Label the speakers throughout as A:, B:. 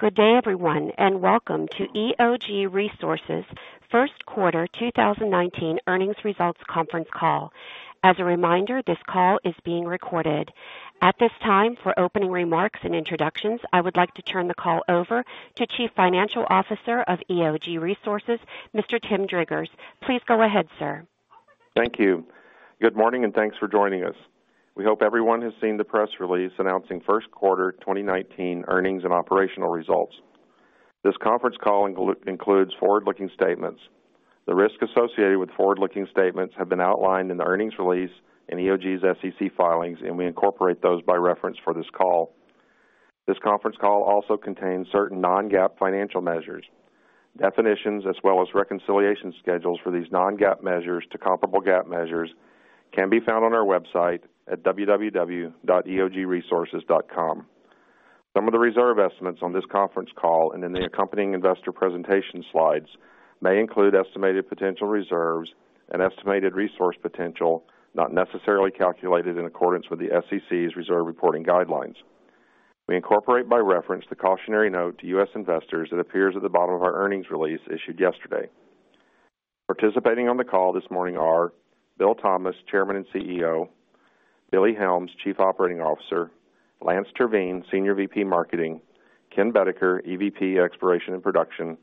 A: Good day, everyone, and welcome to EOG Resources' first quarter 2019 earnings results conference call. As a reminder, this call is being recorded. At this time, for opening remarks and introductions, I would like to turn the call over to Chief Financial Officer of EOG Resources, Mr. Timothy K. Driggers. Please go ahead, sir.
B: Thank you. Good morning, and thanks for joining us. We hope everyone has seen the press release announcing first quarter 2019 earnings and operational results. This conference call includes forward-looking statements. The risks associated with forward-looking statements have been outlined in the earnings release in EOG's SEC filings, and we incorporate those by reference for this call. This conference call also contains certain non-GAAP financial measures. Definitions, as well as reconciliation schedules for these non-GAAP measures to comparable GAAP measures, can be found on our website at www.eogresources.com. Some of the reserve estimates on this conference call and in the accompanying investor presentation slides may include estimated potential reserves and estimated resource potential, not necessarily calculated in accordance with the SEC's reserve reporting guidelines. We incorporate by reference the cautionary note to U.S. investors that appears at the bottom of our earnings release issued yesterday. Participating on the call this morning are William R. Thomas, Chairman and CEO; Lloyd W. Helms, Jr., Chief Operating Officer; Lance Terveen, Senior VP, Marketing; Ken Boedeker, EVP, Exploration and Production;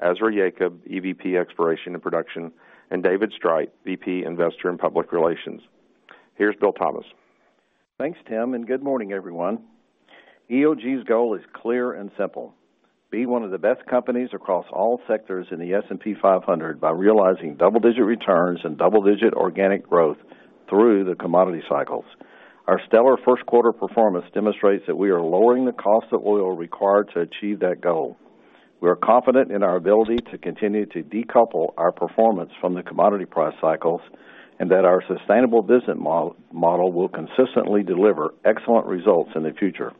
B: Ezra Yacob, EVP, Exploration and Production; and David Streit, VP, Investor and Public Relations. Here's William R. Thomas.
C: Thanks, Tim, and good morning, everyone. EOG's goal is clear and simple: be one of the best companies across all sectors in the S&P 500 by realizing double-digit returns and double-digit organic growth through the commodity cycles. Our stellar first quarter performance demonstrates that we are lowering the cost of oil required to achieve that goal. We are confident in our ability to continue to decouple our performance from the commodity price cycles, and that our sustainable business model will consistently deliver excellent results in the future.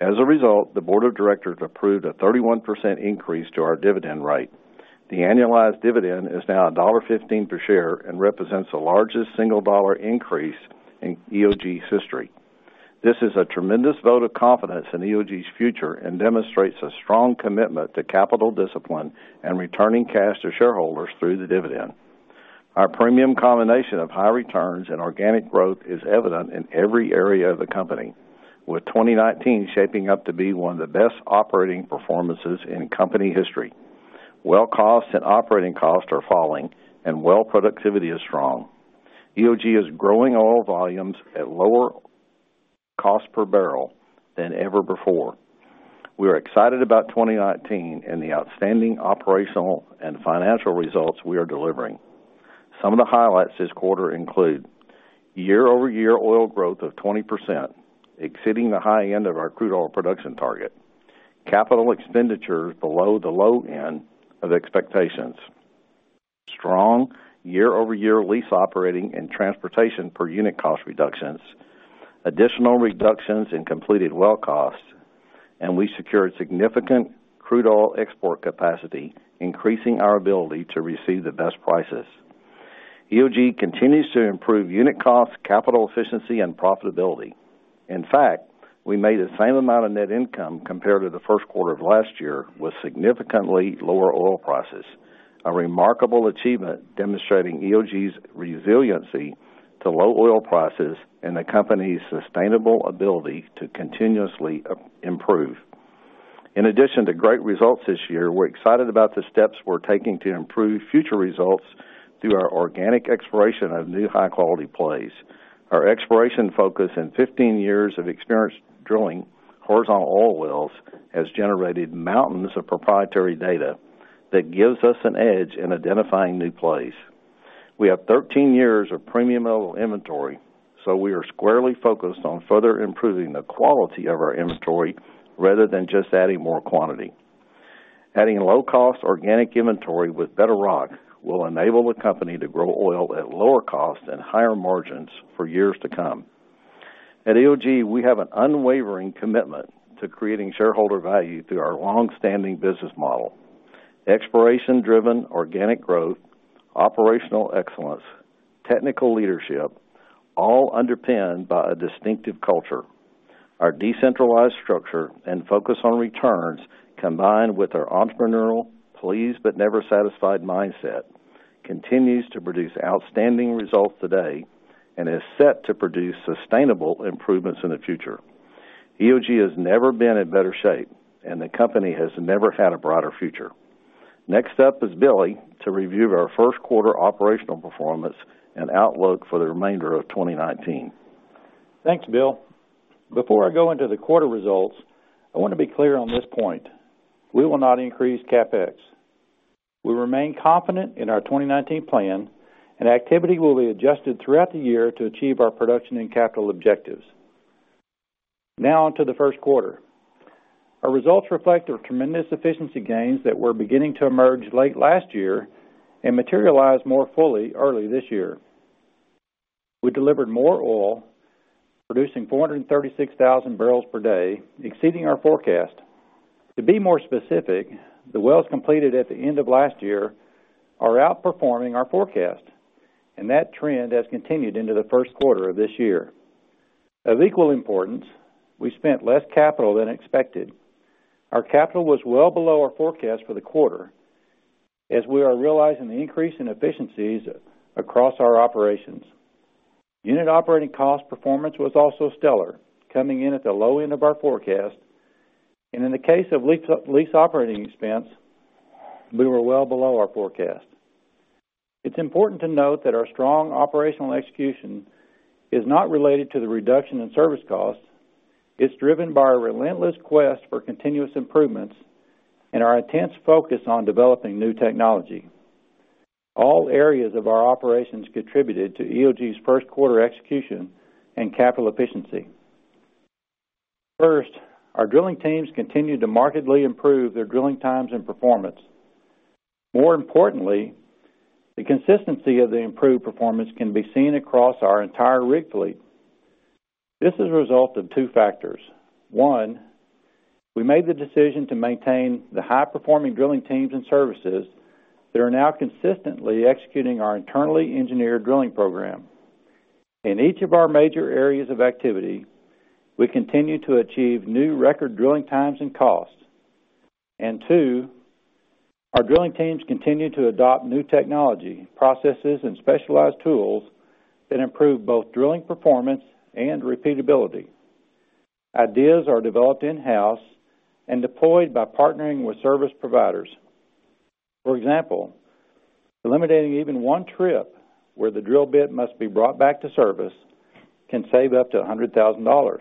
C: As a result, the board of directors approved a 31% increase to our dividend rate. The annualized dividend is now $1.15 per share and represents the largest single dollar increase in EOG's history. This is a tremendous vote of confidence in EOG's future and demonstrates a strong commitment to capital discipline and returning cash to shareholders through the dividend. Our premium combination of high returns and organic growth is evident in every area of the company, with 2019 shaping up to be one of the best operating performances in company history. Well costs and operating costs are falling, and well productivity is strong. EOG is growing oil volumes at lower cost per barrel than ever before. We are excited about 2019 and the outstanding operational and financial results we are delivering. Some of the highlights this quarter include year-over-year oil growth of 20%, exceeding the high end of our crude oil production target, capital expenditures below the low end of expectations, strong year-over-year lease operating and transportation per unit cost reductions, additional reductions in completed well costs, and we secured significant crude oil export capacity, increasing our ability to receive the best prices. EOG continues to improve unit costs, capital efficiency, and profitability. In fact, we made the same amount of net income compared to the first quarter of last year with significantly lower oil prices, a remarkable achievement demonstrating EOG's resiliency to low oil prices and the company's sustainable ability to continuously improve. In addition to great results this year, we are excited about the steps we're taking to improve future results through our organic exploration of new high-quality plays. Our exploration focus and 15 years of experience drilling horizontal oil wells has generated mountains of proprietary data that gives us an edge in identifying new plays. We have 13 years of premium oil inventory, we are squarely focused on further improving the quality of our inventory rather than just adding more quantity. Adding low-cost organic inventory with better rock will enable the company to grow oil at lower cost and higher margins for years to come. At EOG, we have an unwavering commitment to creating shareholder value through our longstanding business model. Exploration-driven organic growth, operational excellence, technical leadership, all underpinned by a distinctive culture. Our decentralized structure and focus on returns, combined with our entrepreneurial please-but-never-satisfied mindset, continues to produce outstanding results today and is set to produce sustainable improvements in the future. EOG has never been in better shape, and the company has never had a brighter future. Next up is Billy to review our first quarter operational performance and outlook for the remainder of 2019.
D: Thanks, Bill. Before I go into the quarter results, I want to be clear on this point. We will not increase CapEx. We remain confident in our 2019 plan, and activity will be adjusted throughout the year to achieve our production and capital objectives. Now on to the first quarter. Our results reflect the tremendous efficiency gains that were beginning to emerge late last year and materialize more fully early this year. We delivered more oilProducing 436,000 barrels per day, exceeding our forecast. To be more specific, the wells completed at the end of last year are outperforming our forecast, and that trend has continued into the first quarter of this year. Of equal importance, we spent less capital than expected. Our capital was well below our forecast for the quarter, as we are realizing the increase in efficiencies across our operations. Unit operating cost performance was also stellar, coming in at the low end of our forecast. In the case of lease operating expense, we were well below our forecast. It's important to note that our strong operational execution is not related to the reduction in service costs. It's driven by our relentless quest for continuous improvements and our intense focus on developing new technology. All areas of our operations contributed to EOG's first quarter execution and capital efficiency. First, our drilling teams continued to markedly improve their drilling times and performance. More importantly, the consistency of the improved performance can be seen across our entire rig fleet. This is a result of two factors. One, we made the decision to maintain the high-performing drilling teams and services that are now consistently executing our internally engineered drilling program. In each of our major areas of activity, we continue to achieve new record drilling times and costs. Two, our drilling teams continue to adopt new technology, processes, and specialized tools that improve both drilling performance and repeatability. Ideas are developed in-house and deployed by partnering with service providers. For example, eliminating even one trip where the drill bit must be brought back to service can save up to $100,000.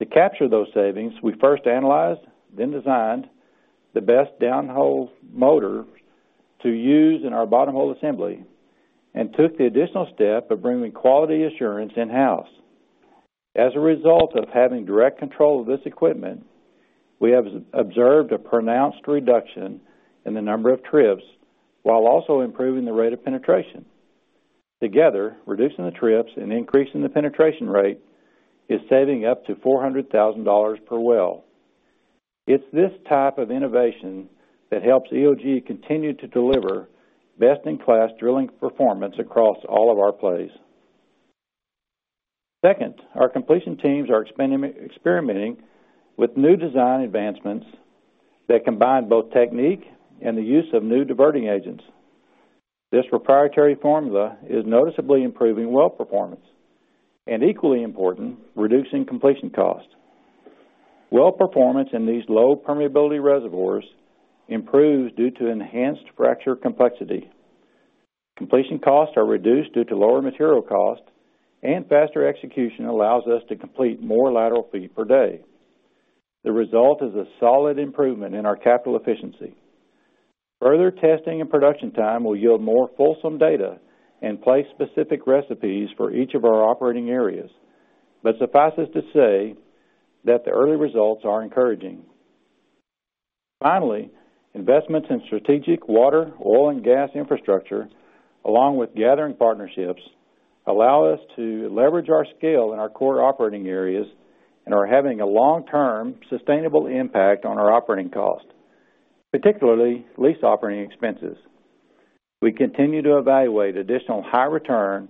D: To capture those savings, we first analyzed, then designed the best downhole motor to use in our bottom hole assembly and took the additional step of bringing quality assurance in-house. As a result of having direct control of this equipment, we have observed a pronounced reduction in the number of trips, while also improving the rate of penetration. Together, reducing the trips and increasing the penetration rate is saving up to $400,000 per well. It's this type of innovation that helps EOG continue to deliver best-in-class drilling performance across all of our plays. Second, our completion teams are experimenting with new design advancements that combine both technique and the use of new diverting agents. This proprietary formula is noticeably improving well performance, and equally important, reducing completion costs. Well performance in these low permeability reservoirs improves due to enhanced fracture complexity. Completion costs are reduced due to lower material cost, and faster execution allows us to complete more lateral feet per day. The result is a solid improvement in our capital efficiency. Further testing and production time will yield more fulsome data and play specific recipes for each of our operating areas. Suffice it to say that the early results are encouraging. Finally, investments in strategic water, oil, and gas infrastructure, along with gathering partnerships, allow us to leverage our scale in our core operating areas and are having a long-term sustainable impact on our operating cost, particularly lease operating expenses. We continue to evaluate additional high return,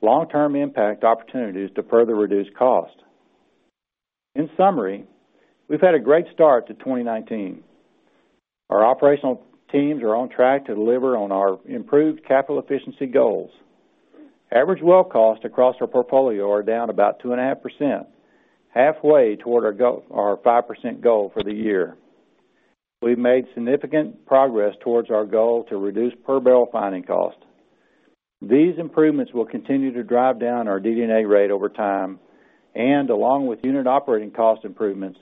D: long-term impact opportunities to further reduce cost. In summary, we've had a great start to 2019. Our operational teams are on track to deliver on our improved capital efficiency goals. Average well costs across our portfolio are down about 2.5%, halfway toward our 5% goal for the year. We've made significant progress towards our goal to reduce per barrel finding cost. These improvements will continue to drive down our DD&A rate over time, and along with unit operating cost improvements,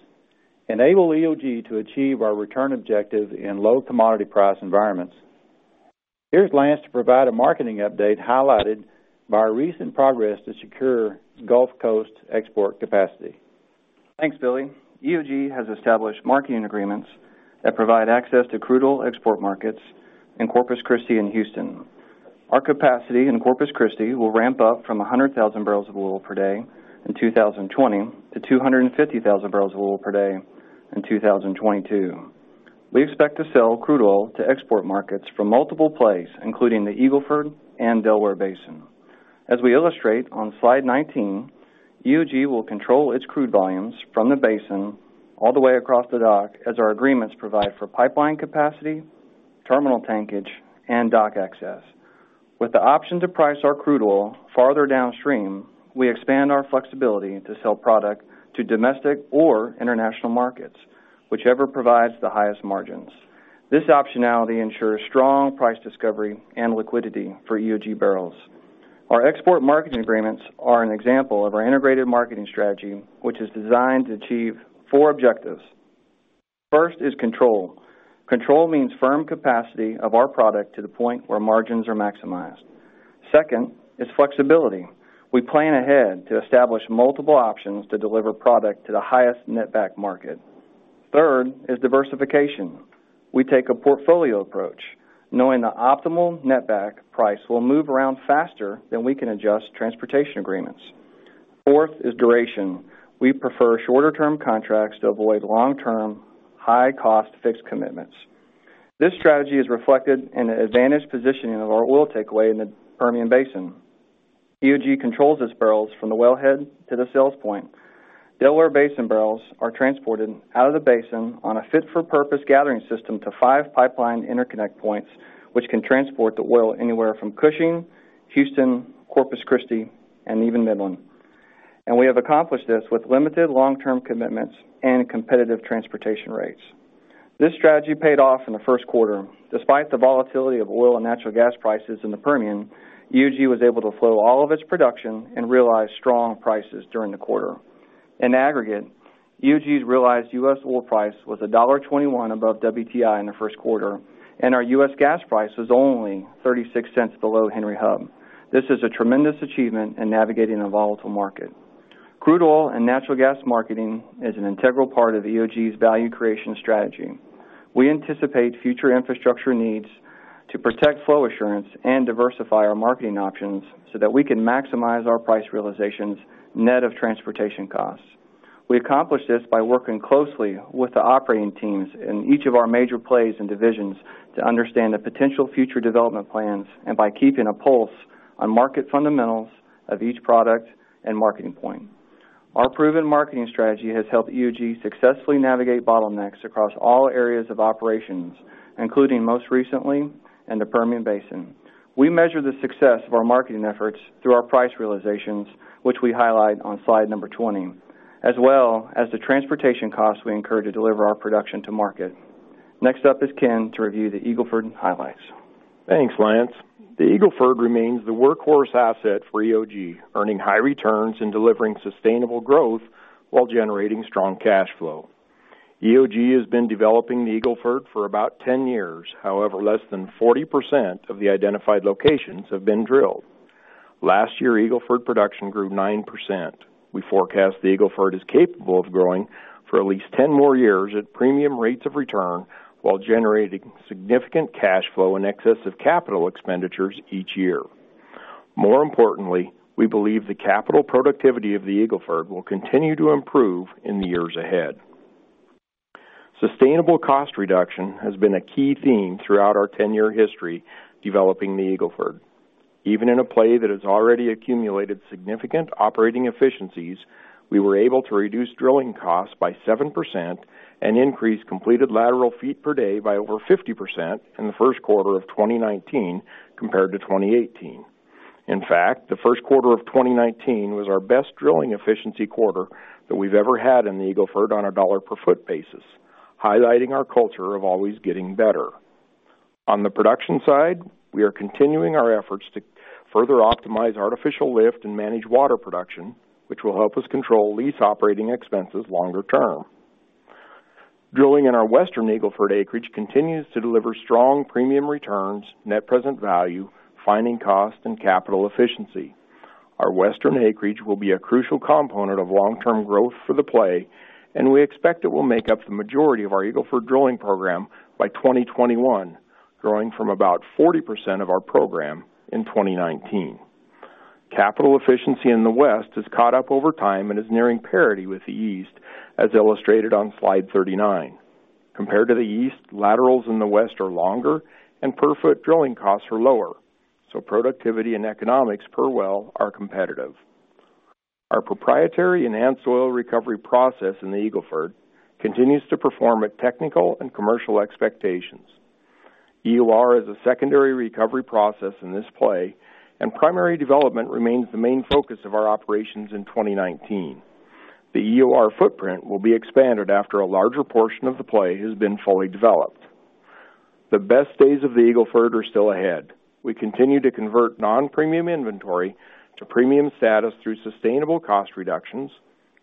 D: enable EOG to achieve our return objective in low commodity price environments. Here's Lance Terveen to provide a marketing update highlighted by our recent progress to secure Gulf Coast export capacity.
E: Thanks, Billy. EOG has established marketing agreements that provide access to crude oil export markets in Corpus Christi and Houston. Our capacity in Corpus Christi will ramp up from 100,000 barrels of oil per day in 2020 to 250,000 barrels of oil per day in 2022. We expect to sell crude oil to export markets from multiple plays, including the Eagle Ford and Delaware Basin. As we illustrate on slide 19, EOG will control its crude volumes from the basin all the way across the dock as our agreements provide for pipeline capacity, terminal tankage, and dock access. With the option to price our crude oil farther downstream, we expand our flexibility to sell product to domestic or international markets, whichever provides the highest margins. This optionality ensures strong price discovery and liquidity for EOG barrels. Our export marketing agreements are an example of our integrated marketing strategy, which is designed to achieve four objectives. First is control. Control means firm capacity of our product to the point where margins are maximized. Second is flexibility. We plan ahead to establish multiple options to deliver product to the highest netback market. Third is diversification. We take a portfolio approach, knowing the optimal netback price will move around faster than we can adjust transportation agreements. Fourth is duration. We prefer shorter-term contracts to avoid long-term, high-cost fixed commitments. This strategy is reflected in the advantaged positioning of our oil takeaway in the Permian Basin. EOG controls its barrels from the wellhead to the sales point. Delaware Basin barrels are transported out of the basin on a fit-for-purpose gathering system to five pipeline interconnect points, which can transport the oil anywhere from Cushing, Houston, Corpus Christi, and even Midland. We have accomplished this with limited long-term commitments and competitive transportation rates. This strategy paid off in the first quarter. Despite the volatility of oil and natural gas prices in the Permian, EOG was able to flow all of its production and realize strong prices during the quarter. In aggregate, EOG's realized U.S. oil price was $1.21 above WTI in the first quarter, and our U.S. gas price was only $0.36 below Henry Hub. This is a tremendous achievement in navigating a volatile market. Crude oil and natural gas marketing is an integral part of EOG's value creation strategy. We anticipate future infrastructure needs to protect flow assurance and diversify our marketing options so that we can maximize our price realizations net of transportation costs. We accomplish this by working closely with the operating teams in each of our major plays and divisions to understand the potential future development plans and by keeping a pulse on market fundamentals of each product and marketing point. Our proven marketing strategy has helped EOG successfully navigate bottlenecks across all areas of operations, including most recently in the Permian Basin. We measure the success of our marketing efforts through our price realizations, which we highlight on slide 20, as well as the transportation costs we incur to deliver our production to market. Next up is Ken to review the Eagle Ford highlights.
F: Thanks, Lance. The Eagle Ford remains the workhorse asset for EOG, earning high returns and delivering sustainable growth while generating strong cash flow. EOG has been developing the Eagle Ford for about 10 years. Less than 40% of the identified locations have been drilled. Last year, Eagle Ford production grew 9%. We forecast the Eagle Ford is capable of growing for at least 10 more years at premium rates of return while generating significant cash flow in excess of capital expenditures each year. We believe the capital productivity of the Eagle Ford will continue to improve in the years ahead. Sustainable cost reduction has been a key theme throughout our 10-year history developing the Eagle Ford. Even in a play that has already accumulated significant operating efficiencies, we were able to reduce drilling costs by 7% and increase completed lateral feet per day by over 50% in the first quarter of 2019 compared to 2018. The first quarter of 2019 was our best drilling efficiency quarter that we've ever had in the Eagle Ford on a dollar per foot basis, highlighting our culture of always getting better. On the production side, we are continuing our efforts to further optimize artificial lift and manage water production, which will help us control lease operating expenses longer term. Drilling in our western Eagle Ford acreage continues to deliver strong premium returns, net present value, finding cost, and capital efficiency. Our western acreage will be a crucial component of long-term growth for the play, and we expect it will make up the majority of our Eagle Ford drilling program by 2021, growing from about 40% of our program in 2019. Capital efficiency in the west has caught up over time and is nearing parity with the east, as illustrated on slide 39. Compared to the east, laterals in the west are longer and per-foot drilling costs are lower, so productivity and economics per well are competitive. Our proprietary enhanced oil recovery process in the Eagle Ford continues to perform at technical and commercial expectations. EOR is a secondary recovery process in this play, and primary development remains the main focus of our operations in 2019. The EOR footprint will be expanded after a larger portion of the play has been fully developed. The best days of the Eagle Ford are still ahead. We continue to convert non-premium inventory to premium status through sustainable cost reductions,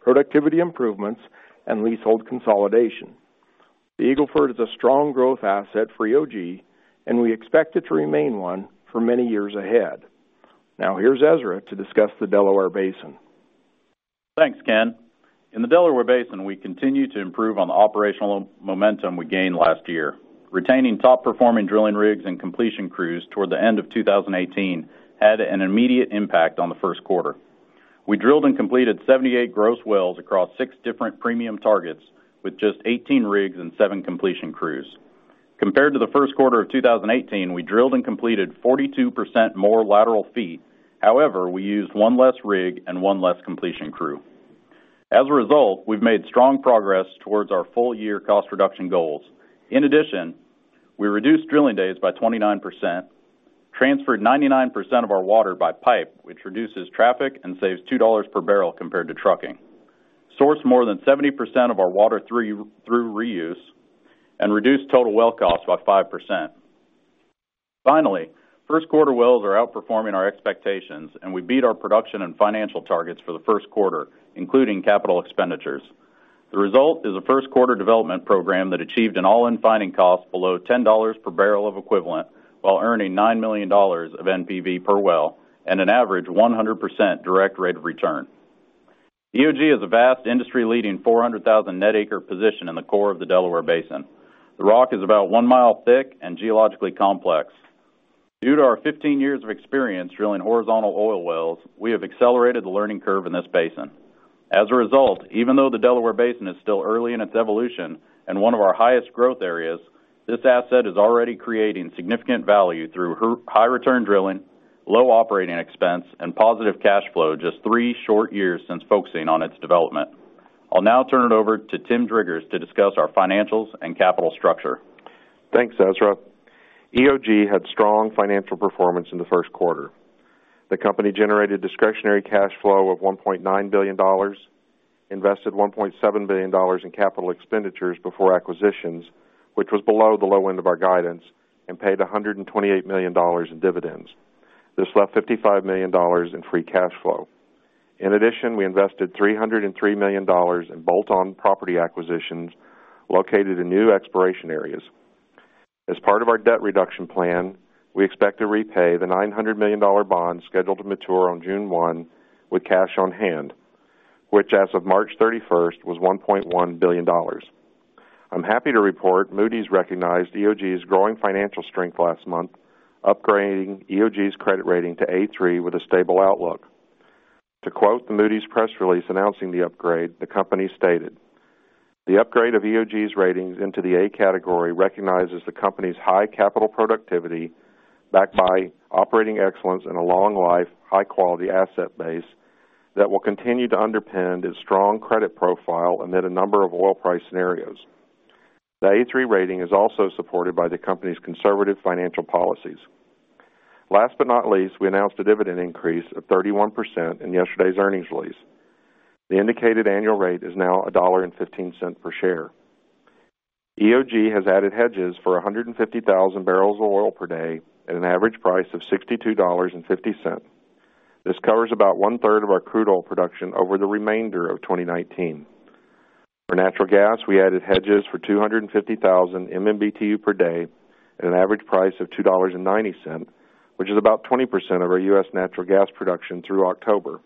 F: productivity improvements, and leasehold consolidation. The Eagle Ford is a strong growth asset for EOG, and we expect it to remain one for many years ahead. Here's Ezra to discuss the Delaware Basin.
G: Thanks, Ken. In the Delaware Basin, we continue to improve on the operational momentum we gained last year. Retaining top-performing drilling rigs and completion crews toward the end of 2018 had an immediate impact on the first quarter. We drilled and completed 78 gross wells across six different premium targets with just 18 rigs and seven completion crews. Compared to the first quarter of 2018, we drilled and completed 42% more lateral feet. However, we used one less rig and one less completion crew. As a result, we've made strong progress towards our full-year cost reduction goals. In addition, we reduced drilling days by 29%, transferred 99% of our water by pipe, which reduces traffic and saves $2 per barrel compared to trucking, sourced more than 70% of our water through reuse, and reduced total well cost by 5%. Finally, first quarter wells are outperforming our expectations, and we beat our production and financial targets for the first quarter, including capital expenditures. The result is a first-quarter development program that achieved an all-in finding cost below $10 per barrel of equivalent while earning $9 million of NPV per well and an average 100% direct rate of return. EOG has a vast industry-leading 400,000 net acre position in the core of the Delaware Basin. The rock is about one mile thick and geologically complex. Due to our 15 years of experience drilling horizontal oil wells, we have accelerated the learning curve in this basin. As a result, even though the Delaware Basin is still early in its evolution and one of our highest growth areas, this asset is already creating significant value through high return drilling, low operating expense, and positive cash flow just three short years since focusing on its development. I'll now turn it over to Tim Driggers to discuss our financials and capital structure.
B: Thanks, Ezra. EOG had strong financial performance in the first quarter. The company generated discretionary cash flow of $1.9 billion, invested $1.7 billion in capital expenditures before acquisitions, which was below the low end of our guidance, and paid $128 million in dividends. This left $55 million in free cash flow. In addition, we invested $303 million in bolt-on property acquisitions located in new exploration areas. As part of our debt reduction plan, we expect to repay the $900 million bond scheduled to mature on June 1 with cash on hand, which as of March 31st, was $1.1 billion. I'm happy to report Moody's recognized EOG's growing financial strength last month, upgrading EOG's credit rating to A3 with a stable outlook. To quote the Moody's press release announcing the upgrade, the company stated, "The upgrade of EOG's ratings into the A category recognizes the company's high capital productivity backed by operating excellence and a long life, high-quality asset base that will continue to underpin its strong credit profile amid a number of oil price scenarios. The A3 rating is also supported by the company's conservative financial policies." Last but not least, we announced a dividend increase of 31% in yesterday's earnings release. The indicated annual rate is now $1.15 per share. EOG has added hedges for 150,000 barrels of oil per day at an average price of $62.50. This covers about one-third of our crude oil production over the remainder of 2019. For natural gas, we added hedges for 250,000 MMBtu per day at an average price of $2.90, which is about 20% of our U.S. natural gas production through October.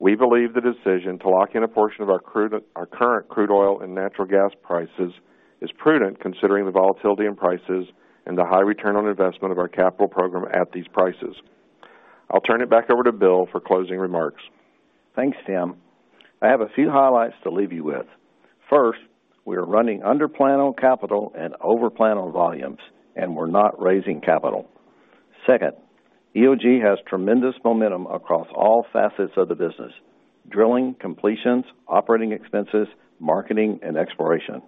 B: We believe the decision to lock in a portion of our current crude oil and natural gas prices is prudent, considering the volatility in prices and the high return on investment of our capital program at these prices. I'll turn it back over to Bill for closing remarks.
C: Thanks, Tim. I have a few highlights to leave you with. First, we are running under plan on capital and over plan on volumes, we're not raising capital. Second, EOG has tremendous momentum across all facets of the business: drilling, completions, operating expenses, marketing, and exploration.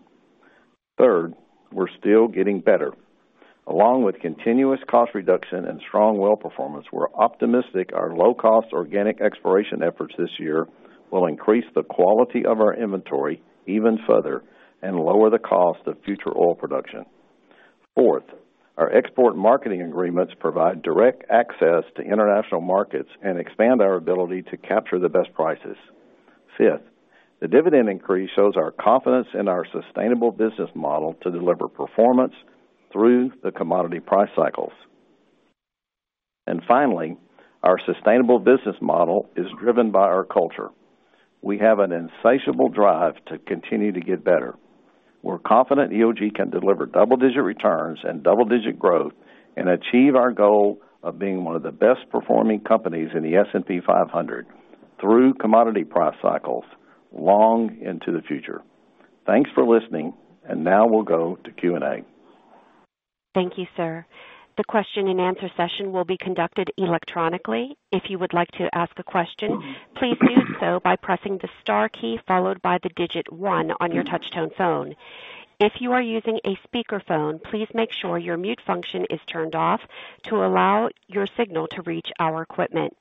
C: Third, we're still getting better. Along with continuous cost reduction and strong well performance, we're optimistic our low-cost organic exploration efforts this year will increase the quality of our inventory even further and lower the cost of future oil production. Fourth, our export marketing agreements provide direct access to international markets and expand our ability to capture the best prices. Fifth, the dividend increase shows our confidence in our sustainable business model to deliver performance through the commodity price cycles. Finally, our sustainable business model is driven by our culture. We have an insatiable drive to continue to get better. We're confident EOG can deliver double-digit returns and double-digit growth and achieve our goal of being one of the best performing companies in the S&P 500 through commodity price cycles long into the future. Thanks for listening. Now we'll go to Q&A.
A: Thank you, sir. The question and answer session will be conducted electronically. If you would like to ask a question, please do so by pressing the star key followed by the digit 1 on your touch tone phone. If you are using a speakerphone, please make sure your mute function is turned off to allow your signal to reach our equipment.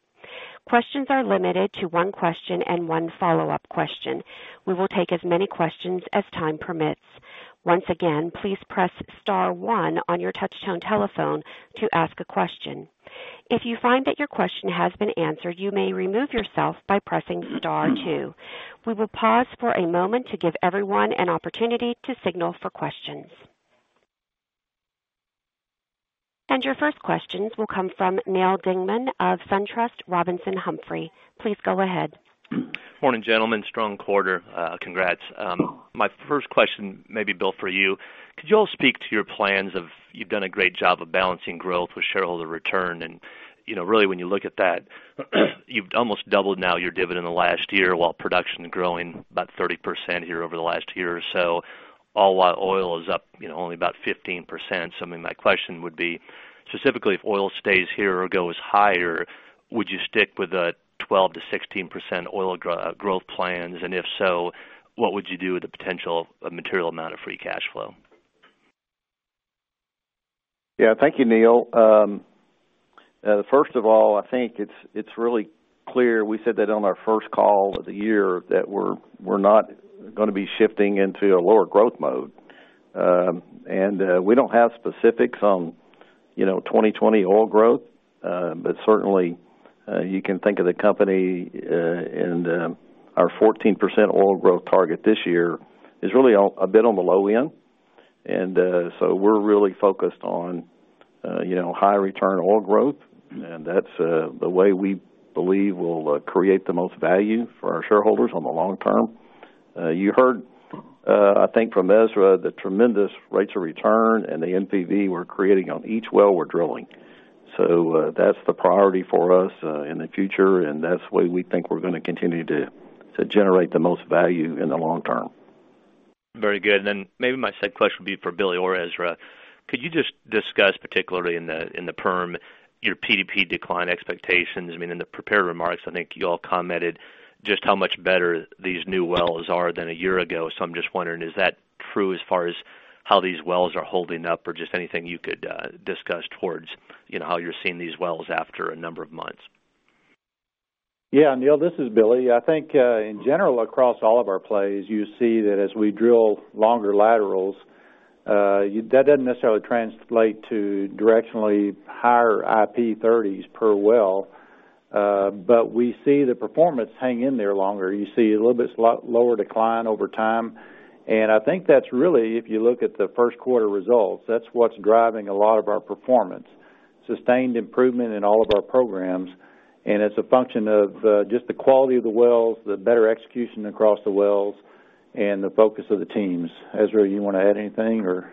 A: Questions are limited to 1 question and 1 follow-up question. We will take as many questions as time permits. Once again, please press star 1 on your touchtone telephone to ask a question. If you find that your question has been answered, you may remove yourself by pressing star 2. We will pause for a moment to give everyone an opportunity to signal for questions. Your first questions will come from Neal Dingmann of SunTrust Robinson Humphrey. Please go ahead.
H: Morning, gentlemen. Strong quarter. Congrats. My first question may be, Bill, for you. Could you all speak to your plans of you've done a great job of balancing growth with shareholder return, and really when you look at that, you've almost doubled now your dividend in the last year while production growing about 30% here over the last year or so, all while oil is up only about 15%. I mean, my question would be specifically if oil stays here or goes higher, would you stick with a 12%-16% oil growth plans, and if so, what would you do with the potential of material amount of free cash flow?
G: Yeah. Thank you, Neal. First of all, I think it's really clear, we said that on our first call of the year, that we're not going to be shifting into a lower growth mode. We don't have specifics on 2020 oil growth. Certainly, you can think of the company and our 14% oil growth target this year is really a bit on the low end.
C: We're really focused on high return oil growth, and that's the way we believe we'll create the most value for our shareholders on the long term. You heard, I think from Ezra, the tremendous rates of return and the NPV we're creating on each well we're drilling. That's the priority for us in the future, and that's the way we think we're going to continue to generate the most value in the long term.
H: Very good. Maybe my second question would be for Billy or Ezra. Could you just discuss, particularly in the Perm, your PDP decline expectations? I mean, in the prepared remarks, I think you all commented just how much better these new wells are than a year ago. I'm just wondering, is that true as far as how these wells are holding up? Or just anything you could discuss towards how you're seeing these wells after a number of months.
D: Yeah. Neal, this is Billy. I think, in general, across all of our plays, you see that as we drill longer laterals, that doesn't necessarily translate to directionally higher IP30s per well. We see the performance hang in there longer. You see a little bit lower decline over time, and I think that's really, if you look at the first quarter results, that's what's driving a lot of our performance. Sustained improvement in all of our programs, and it's a function of just the quality of the wells, the better execution across the wells, and the focus of the teams. Ezra, you want to add anything or?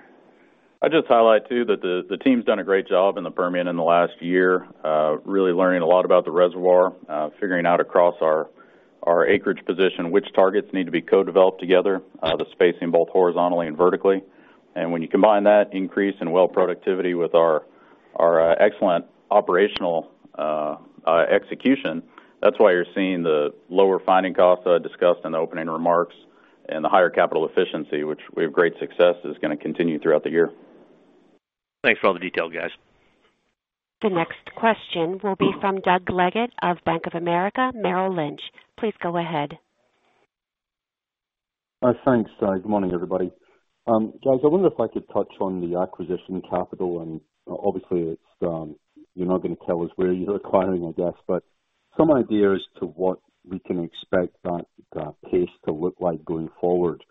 G: I'd just highlight too that the team's done a great job in the Permian in the last year, really learning a lot about the reservoir, figuring out across our acreage position which targets need to be co-developed together, the spacing both horizontally and vertically. You combine that increase in well productivity with our excellent operational execution, that's why you're seeing the lower finding costs that I discussed in the opening remarks and the higher capital efficiency, which we have great success is going to continue throughout the year.
H: Thanks for all the detail, guys.
A: The next question will be from Doug Leggate of Bank of America Merrill Lynch. Please go ahead.
I: Thanks. Good morning, everybody. Guys, I wonder if I could touch on the acquisition capital. Obviously you're not going to tell us where you're acquiring, I guess, but some idea as to what we can expect that pace to look like going forward.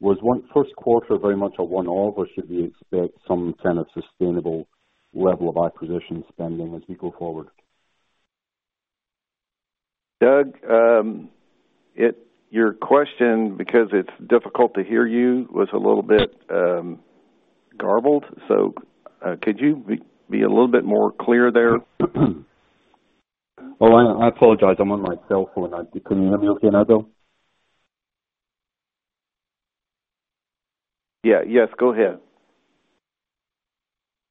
I: Was first quarter very much a one-off, or should we expect some kind of sustainable level of acquisition spending as we go forward?
C: Doug, your question, because it's difficult to hear you, was a little bit garbled. Could you be a little bit more clear there?
I: Oh, I apologize. I'm on my cell phone. Can you let me okay now, Bill?
C: Yeah. Yes, go ahead.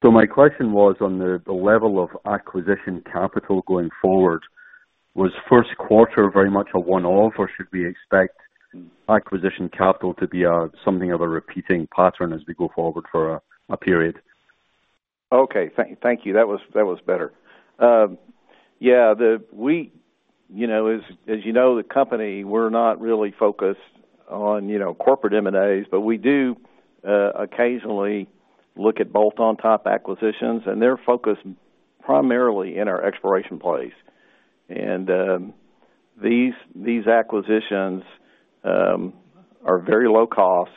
I: My question was on the level of acquisition capital going forward. Was first quarter very much a one-off, or should we expect acquisition capital to be something of a repeating pattern as we go forward for a period?
C: Okay. Thank you. That was better. As you know, the company, we're not really focused on corporate M&A, but we do occasionally look at bolt-on type acquisitions, and they're focused primarily in our exploration plays. These acquisitions are very low cost,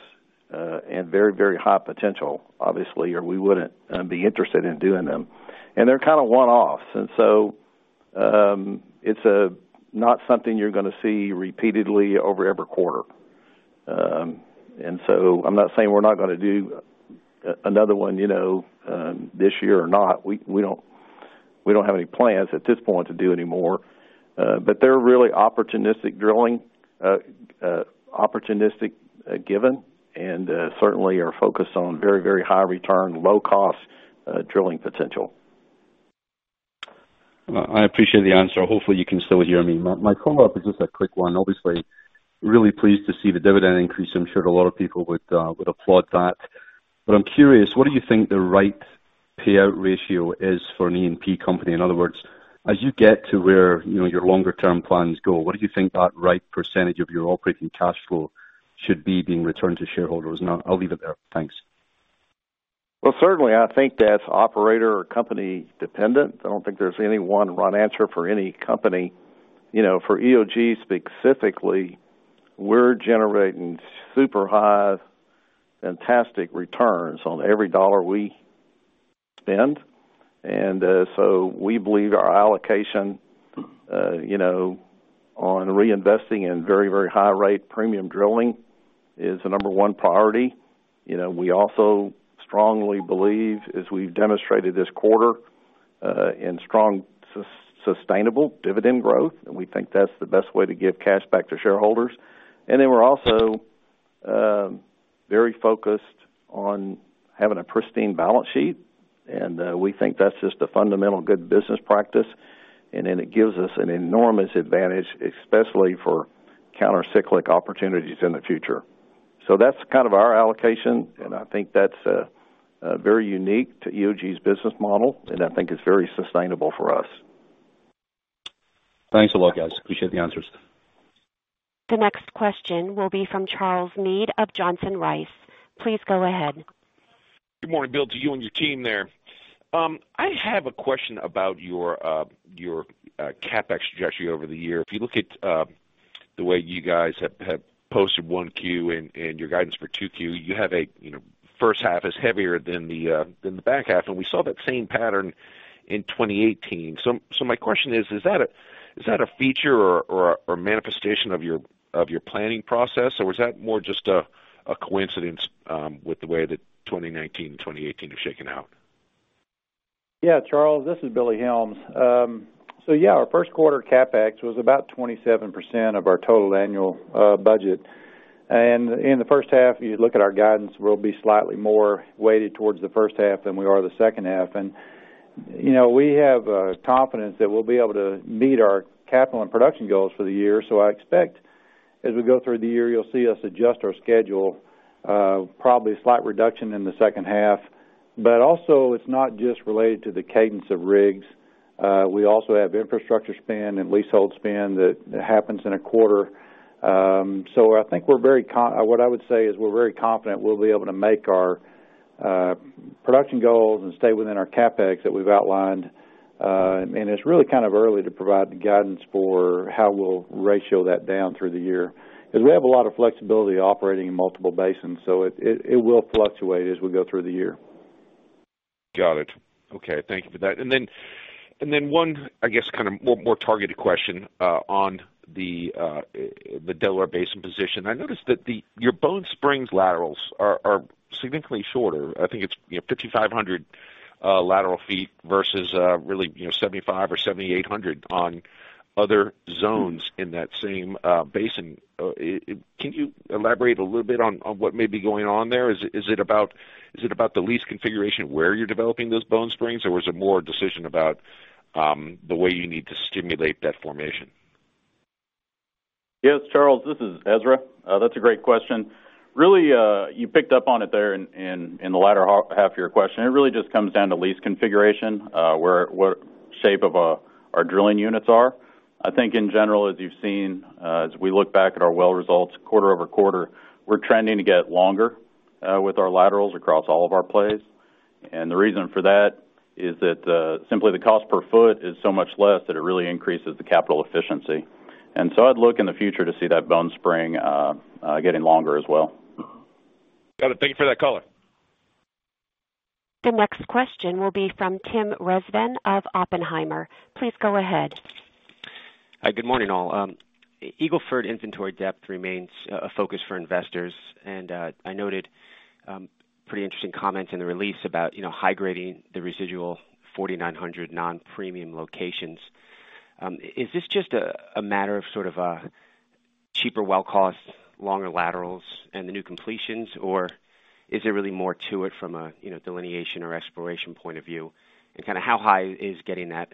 C: and very, very high potential, obviously, or we wouldn't be interested in doing them. They're kind of one-offs. It's not something you're going to see repeatedly over every quarter. I'm not saying we're not going to do another one this year or not. We don't have any plans at this point to do any more. They're really opportunistic drilling, opportunistic given, and certainly are focused on very, very high return, low cost drilling potential.
I: I appreciate the answer. Hopefully, you can still hear me. My follow-up is just a quick one. Obviously, really pleased to see the dividend increase. I'm sure a lot of people would applaud that. I'm curious, what do you think the right payout ratio is for an E&P company? In other words, as you get to where your longer term plans go, what do you think that right percentage of your operating cash flow should be being returned to shareholders? I'll leave it there. Thanks.
C: Well, certainly, I think that's operator or company dependent. I don't think there's any one right answer for any company. For EOG specifically, we're generating super high, fantastic returns on every dollar we spend. We believe our allocation on reinvesting in very, very high rate premium drilling is the number one priority. We also strongly believe, as we've demonstrated this quarter, in strong, sustainable dividend growth, and we think that's the best way to give cash back to shareholders. We're also very focused on having a pristine balance sheet, and we think that's just a fundamental good business practice. It gives us an enormous advantage, especially for counter-cyclical opportunities in the future. That's kind of our allocation, and I think that's very unique to EOG's business model, and I think it's very sustainable for us.
I: Thanks a lot, guys. Appreciate the answers.
A: The next question will be from Charles Meade of Johnson Rice. Please go ahead.
J: Good morning, Bill, to you and your team there. I have a question about your CapEx trajectory over the year. If you look at the way you guys have posted 1Q and your guidance for 2Q, you have a first half is heavier than the back half. We saw that same pattern in 2018. My question is that a feature or manifestation of your planning process, or is that more just a coincidence with the way that 2019 and 2018 have shaken out?
D: Yeah, Charles, this is Billy Helms. Our first quarter CapEx was about 27% of our total annual budget. In the first half, you look at our guidance, we'll be slightly more weighted towards the first half than we are the second half. We have confidence that we'll be able to meet our capital and production goals for the year. I expect as we go through the year, you'll see us adjust our schedule, probably a slight reduction in the second half. Also it's not just related to the cadence of rigs. We also have infrastructure spend and leasehold spend that happens in a quarter. What I would say is we're very confident we'll be able to make our production goals and stay within our CapEx that we've outlined. It's really early to provide the guidance for how we'll ratio that down through the year. Because we have a lot of flexibility operating in multiple basins, so it will fluctuate as we go through the year.
J: Got it. Okay. Thank you for that. One more targeted question on the Delaware Basin position. I noticed that your Bone Spring laterals are significantly shorter. I think it's 5,500 lateral feet versus really 75 or 7,800 on other zones in that same basin. Can you elaborate a little bit on what may be going on there? Is it about the lease configuration where you're developing those Bone Spring, or was it more a decision about the way you need to stimulate that formation?
G: Yes, Charles, this is Ezra. That's a great question. Really, you picked up on it there in the latter half of your question. It really just comes down to lease configuration, what shape of our drilling units are. I think in general, as you've seen, as we look back at our well results quarter-over-quarter, we're trending to get longer with our laterals across all of our plays. The reason for that is that simply the cost per foot is so much less that it really increases the capital efficiency. I'd look in the future to see that Bone Spring getting longer as well.
J: Got it. Thank you for that color.
A: The next question will be from Tim Rezvan of Oppenheimer. Please go ahead.
K: Hi, good morning, all. Eagle Ford inventory depth remains a focus for investors. I noted pretty interesting comments in the release about high grading the residual 4,900 non-premium locations. Is this just a matter of sort of a cheaper well cost, longer laterals, and the new completions, or is there really more to it from a delineation or exploration point of view? How high is getting that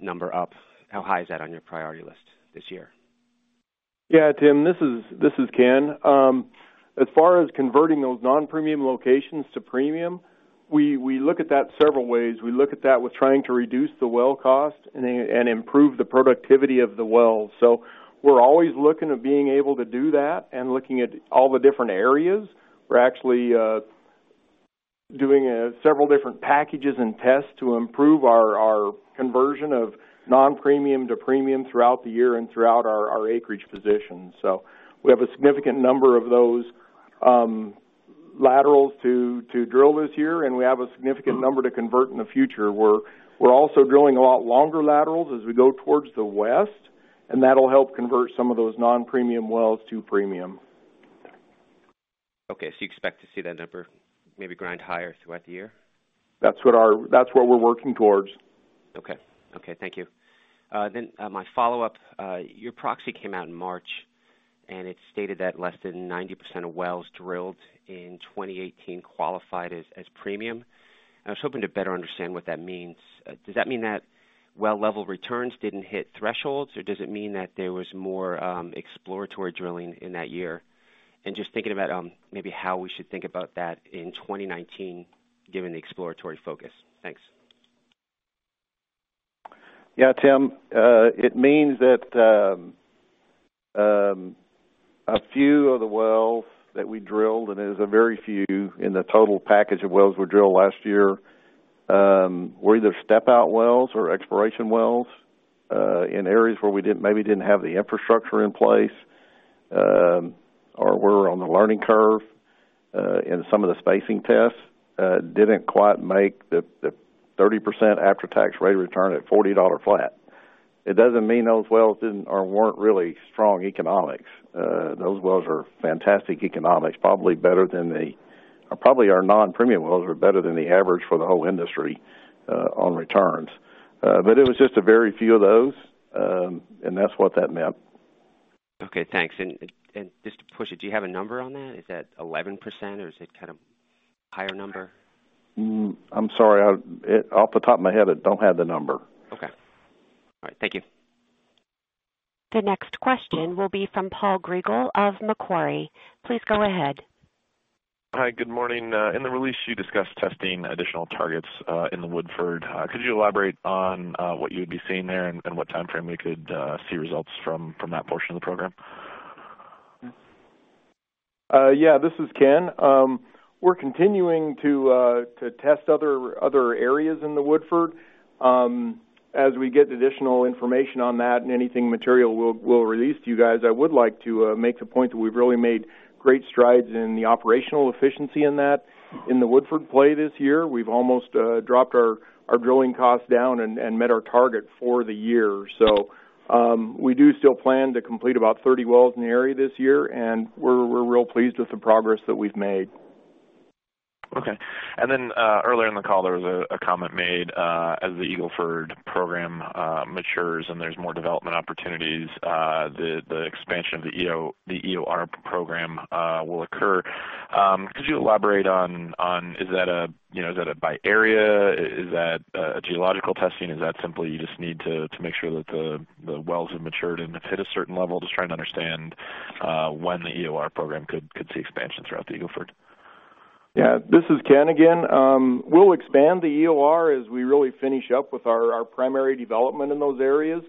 K: number up? How high is that on your priority list this year?
F: Yeah, Tim, this is Ken. As far as converting those non-premium locations to premium, we look at that several ways. We look at that with trying to reduce the well cost and improve the productivity of the well. We're always looking at being able to do that and looking at all the different areas. We're actually doing several different packages and tests to improve our conversion of non-premium to premium throughout the year and throughout our acreage position. We have a significant number of those laterals to drill this year, and we have a significant number to convert in the future. We're also drilling a lot longer laterals as we go towards the west, and that'll help convert some of those non-premium wells to premium.
K: Okay. You expect to see that number maybe grind higher throughout the year?
F: That's what we're working towards.
K: Okay. Thank you. My follow-up, your proxy came out in March, and it stated that less than 90% of wells drilled in 2018 qualified as premium. I was hoping to better understand what that means. Does that mean that well level returns didn't hit thresholds, or does it mean that there was more exploratory drilling in that year? Just thinking about maybe how we should think about that in 2019, given the exploratory focus. Thanks.
C: Yeah, Tim. It means that a few of the wells that we drilled, and it is a very few in the total package of wells we drilled last year, were either step-out wells or exploration wells in areas where we maybe didn't have the infrastructure in place or were on the learning curve in some of the spacing tests, didn't quite make the 30% after-tax rate of return at $40 flat. It doesn't mean those wells weren't really strong economics. Those wells are fantastic economics, probably our non-premium wells are better than the average for the whole industry on returns. It was just a very few of those, and that's what that meant.
K: Okay, thanks. Just to push it, do you have a number on that? Is that 11% or is it kind of higher number?
C: I'm sorry. Off the top of my head, I don't have the number.
K: Okay. All right. Thank you.
A: The next question will be from Paul Grigel of Macquarie. Please go ahead.
L: Hi, good morning. In the release, you discussed testing additional targets in the Woodford. Could you elaborate on what you'd be seeing there and what timeframe we could see results from that portion of the program?
F: Yeah, this is Ken. We're continuing to test other areas in the Woodford. As we get additional information on that, and anything material, we'll release to you guys. I would like to make the point that we've really made great strides in the operational efficiency in that. In the Woodford play this year, we've almost dropped our drilling costs down and met our target for the year. We do still plan to complete about 30 wells in the area this year, and we're real pleased with the progress that we've made.
L: Okay. Earlier in the call, there was a comment made as the Eagle Ford program matures and there's more development opportunities, the expansion of the EOR program will occur. Could you elaborate on, is that a by area? Is that a geological testing? Is that simply you just need to make sure that the wells have matured and have hit a certain level? Just trying to understand when the EOR program could see expansion throughout the Eagle Ford.
F: Yeah. This is Ken again. We'll expand the EOR as we really finish up with our primary development in those areas.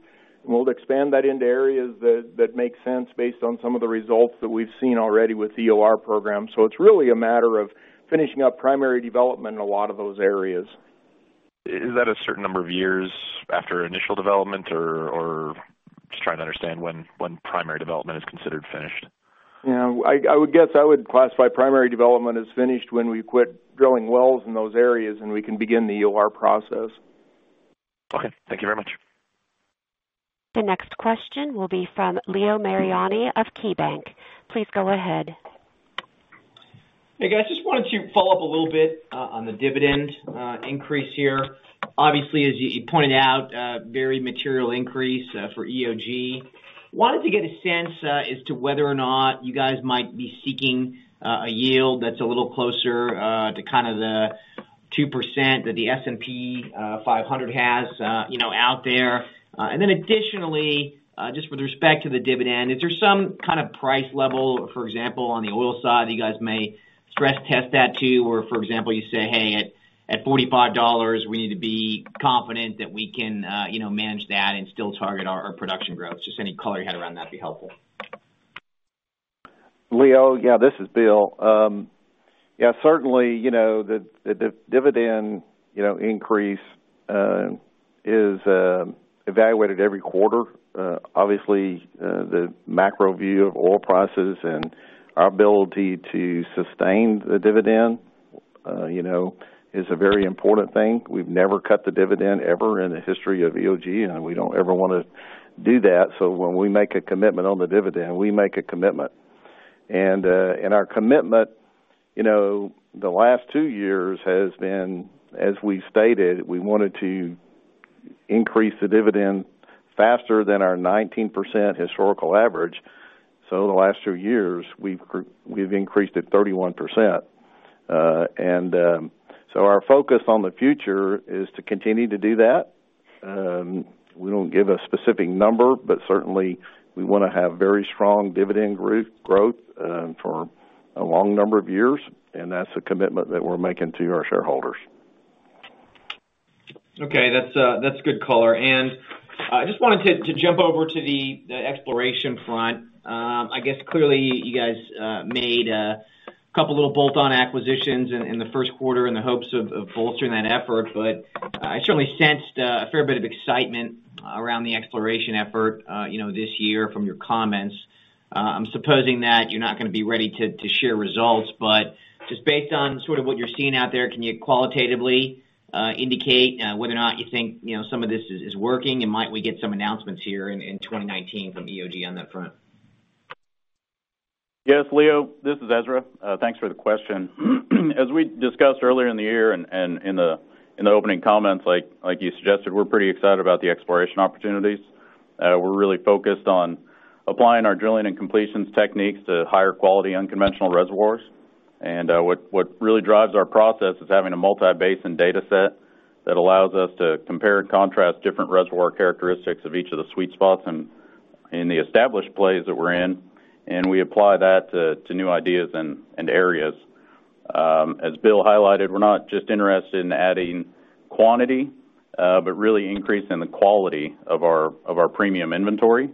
F: We'll expand that into areas that make sense based on some of the results that we've seen already with the EOR program. It's really a matter of finishing up primary development in a lot of those areas.
L: Is that a certain number of years after initial development, or just trying to understand when primary development is considered finished?
F: Yeah. I would guess I would classify primary development as finished when we quit drilling wells in those areas, and we can begin the EOR process.
L: Okay. Thank you very much.
A: The next question will be from Leo Mariani of KeyBanc. Please go ahead.
M: Hey, guys. Just wanted to follow up a little bit on the dividend increase here. Obviously, as you pointed out, very material increase for EOG. Wanted to get a sense as to whether or not you guys might be seeking a yield that's a little closer to the 2% that the S&P 500 has out there. Additionally, just with respect to the dividend, is there some kind of price level, for example, on the oil side that you guys may stress test that to? Or for example, you say, "Hey, at $45, we need to be confident that we can manage that and still target our production growth." Just any color you had around that would be helpful.
C: Leo, yeah, this is Bill. Yeah, certainly, the dividend increase is evaluated every quarter. Obviously, the macro view of oil prices and our ability to sustain the dividend is a very important thing. We've never cut the dividend ever in the history of EOG, and we don't ever want to do that. When we make a commitment on the dividend, we make a commitment. Our commitment the last two years has been, as we stated, we wanted to increase the dividend faster than our 19% historical average. The last two years, we've increased it 31%. Our focus on the future is to continue to do that. We don't give a specific number, but certainly we want to have very strong dividend growth for a long number of years, and that's a commitment that we're making to our shareholders.
M: Okay. That's good color. I just wanted to jump over to the exploration front. I guess clearly you guys made a couple little bolt-on acquisitions in the first quarter in the hopes of bolstering that effort. I certainly sensed a fair bit of excitement around the exploration effort this year from your comments. I'm supposing that you're not going to be ready to share results, but just based on sort of what you're seeing out there, can you qualitatively indicate whether or not you think some of this is working, and might we get some announcements here in 2019 from EOG on that front?
G: Yes, Leo, this is Ezra. Thanks for the question. As we discussed earlier in the year and in the opening comments, like you suggested, we're pretty excited about the exploration opportunities. We're really focused on applying our drilling and completions techniques to higher quality unconventional reservoirs. What really drives our process is having a multi-basin data set that allows us to compare and contrast different reservoir characteristics of each of the sweet spots and in the established plays that we're in, and we apply that to new ideas and areas. As Bill highlighted, we're not just interested in adding quantity, but really increasing the quality of our premium inventory.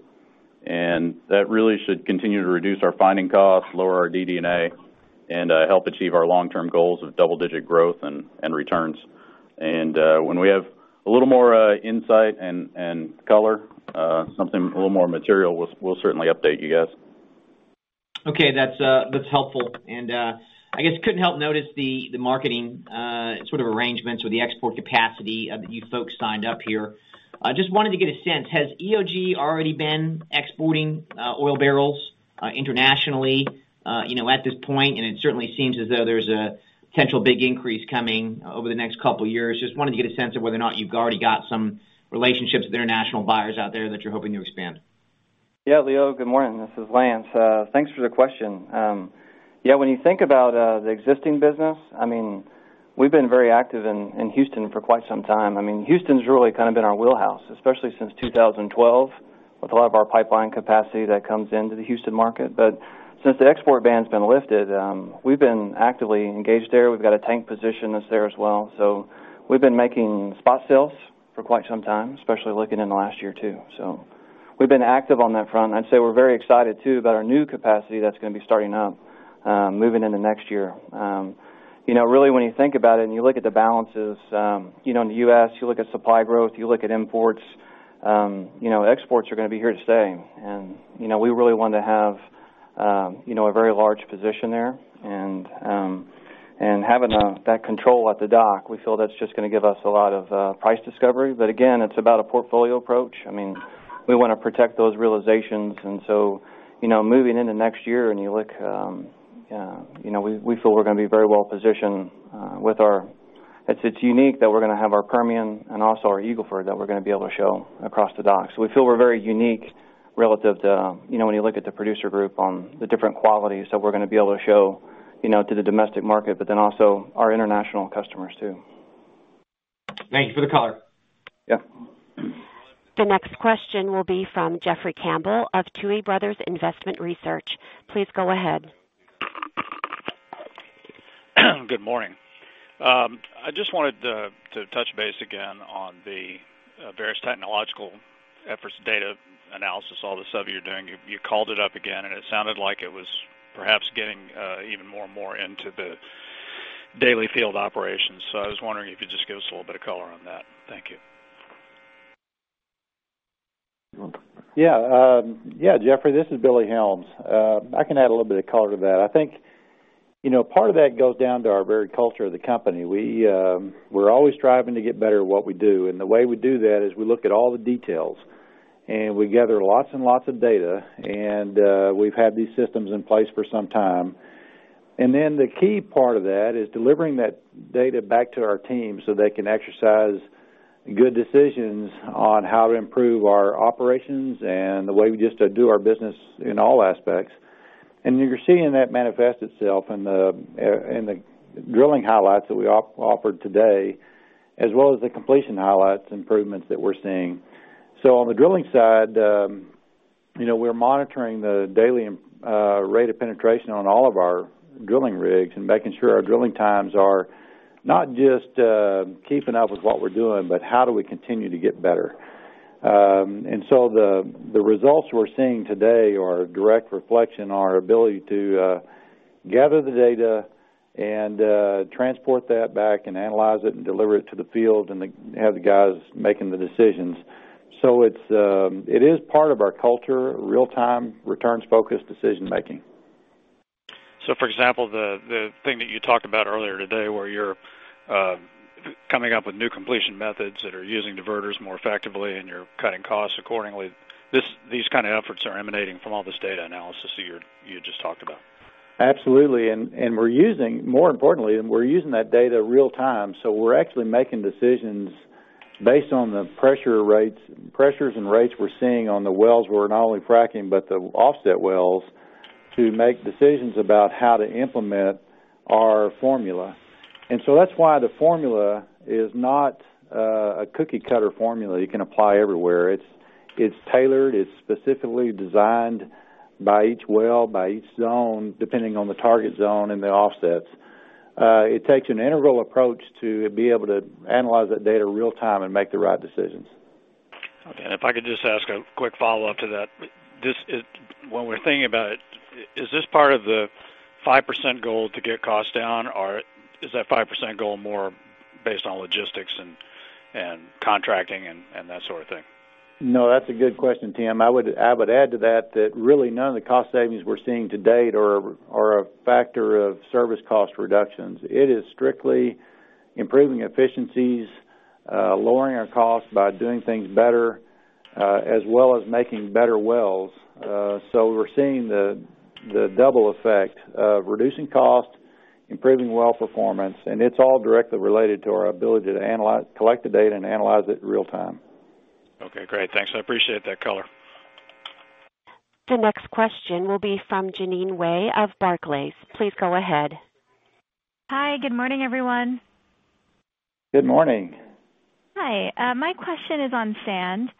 G: That really should continue to reduce our finding costs, lower our DD&A, and help achieve our long-term goals of double-digit growth and returns. When we have a little more insight and color, something a little more material, we'll certainly update you guys.
M: Okay. That's helpful. I guess couldn't help notice the marketing sort of arrangements or the export capacity that you folks signed up here. Just wanted to get a sense, has EOG already been exporting oil barrels internationally at this point? It certainly seems as though there's a potential big increase coming over the next couple years. Just wanted to get a sense of whether or not you've already got some relationships with international buyers out there that you're hoping to expand.
E: Yeah, Leo, good morning. This is Lance. Thanks for the question. Yeah, when you think about the existing business, we've been very active in Houston for quite some time. Houston's really kind of been our wheelhouse, especially since 2012, with a lot of our pipeline capacity that comes into the Houston market. Since the export ban's been lifted, we've been actively engaged there. We've got a tank position that's there as well. We've been making spot sales for quite some time, especially looking in the last year, too. We've been active on that front. I'd say we're very excited too about our new capacity that's going to be starting up moving into next year. Really, when you think about it and you look at the balances in the U.S., you look at supply growth, you look at imports, exports are going to be here to stay. We really want to have a very large position there. Having that control at the dock, we feel that's just going to give us a lot of price discovery. Again, it's about a portfolio approach. We want to protect those realizations. Moving into next year, we feel we're going to be very well positioned with our It's unique that we're going to have our Permian and also our Eagle Ford that we're going to be able to show across the dock. We feel we're very unique relative to when you look at the producer group on the different qualities that we're going to be able to show to the domestic market, but then also our international customers too.
M: Thank you for the color.
E: Yeah.
A: The next question will be from Jeffrey Campbell of Tuohy Brothers Investment Research. Please go ahead.
N: Good morning. I just wanted to touch base again on the various technological efforts, data analysis, all the stuff you're doing. You called it up again, and it sounded like it was perhaps getting even more and more into the daily field operations. I was wondering if you could just give us a little bit of color on that. Thank you.
D: Jeffrey, this is Billy Helms. I can add a little bit of color to that. I think part of that goes down to our very culture of the company. We're always striving to get better at what we do, and the way we do that is we look at all the details, and we gather lots and lots of data, and we've had these systems in place for some time. The key part of that is delivering that data back to our team so they can exercise good decisions on how to improve our operations and the way we just do our business in all aspects. You're seeing that manifest itself in the drilling highlights that we offered today, as well as the completion highlights improvements that we're seeing. On the drilling side, we're monitoring the daily rate of penetration on all of our drilling rigs and making sure our drilling times are not just keeping up with what we're doing, but how do we continue to get better. The results we're seeing today are a direct reflection on our ability to gather the data and transport that back and analyze it and deliver it to the field and have the guys making the decisions. It is part of our culture, real-time, returns-focused decision making.
N: For example, the thing that you talked about earlier today, where you're coming up with new completion methods that are using diverters more effectively and you're cutting costs accordingly, these kind of efforts are emanating from all this data analysis that you just talked about.
D: Absolutely. More importantly, we're using that data real time. We're actually making decisions based on the pressures and rates we're seeing on the wells. We're not only fracking, but the offset wells to make decisions about how to implement our formula. That's why the formula is not a cookie cutter formula you can apply everywhere. It's tailored. It's specifically designed by each well, by each zone, depending on the target zone and the offsets. It takes an integral approach to be able to analyze that data real time and make the right decisions.
N: Okay. If I could just ask a quick follow-up to that. When we're thinking about it, is this part of the 5% goal to get costs down, or is that 5% goal more based on logistics and contracting and that sort of thing?
D: No, that's a good question, Tim. I would add to that really none of the cost savings we're seeing to date are a factor of service cost reductions. It is strictly improving efficiencies, lowering our costs by doing things better, as well as making better wells. We're seeing the double effect of reducing cost, improving well performance, and it's all directly related to our ability to collect the data and analyze it in real time.
N: Okay, great. Thanks. I appreciate that color.
A: The next question will be from Jeanine Wai of Barclays. Please go ahead.
O: Hi, good morning, everyone.
C: Good morning.
O: Hi. My question is on sand.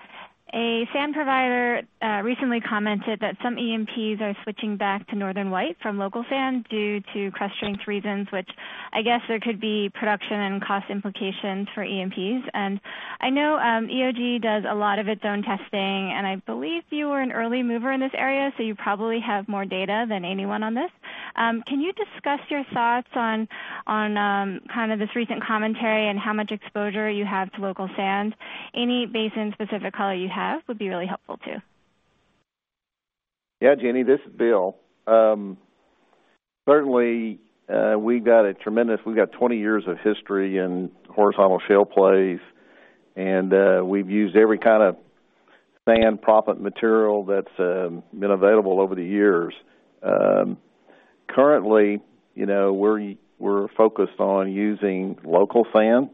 O: A sand provider recently commented that some E&Ps are switching back to Northern White from local sand due to cost reasons, which I guess there could be production and cost implications for E&Ps. I know EOG does a lot of its own testing, and I believe you were an early mover in this area, so you probably have more data than anyone on this. Can you discuss your thoughts on this recent commentary and how much exposure you have to local sand? Any basin-specific color you have would be really helpful too.
C: Yeah, Jeanine, this is Bill. Certainly, we've got 20 years of history in horizontal shale plays, and we've used every kind of sand proppant material that's been available over the years. Currently, we're focused on using local sand.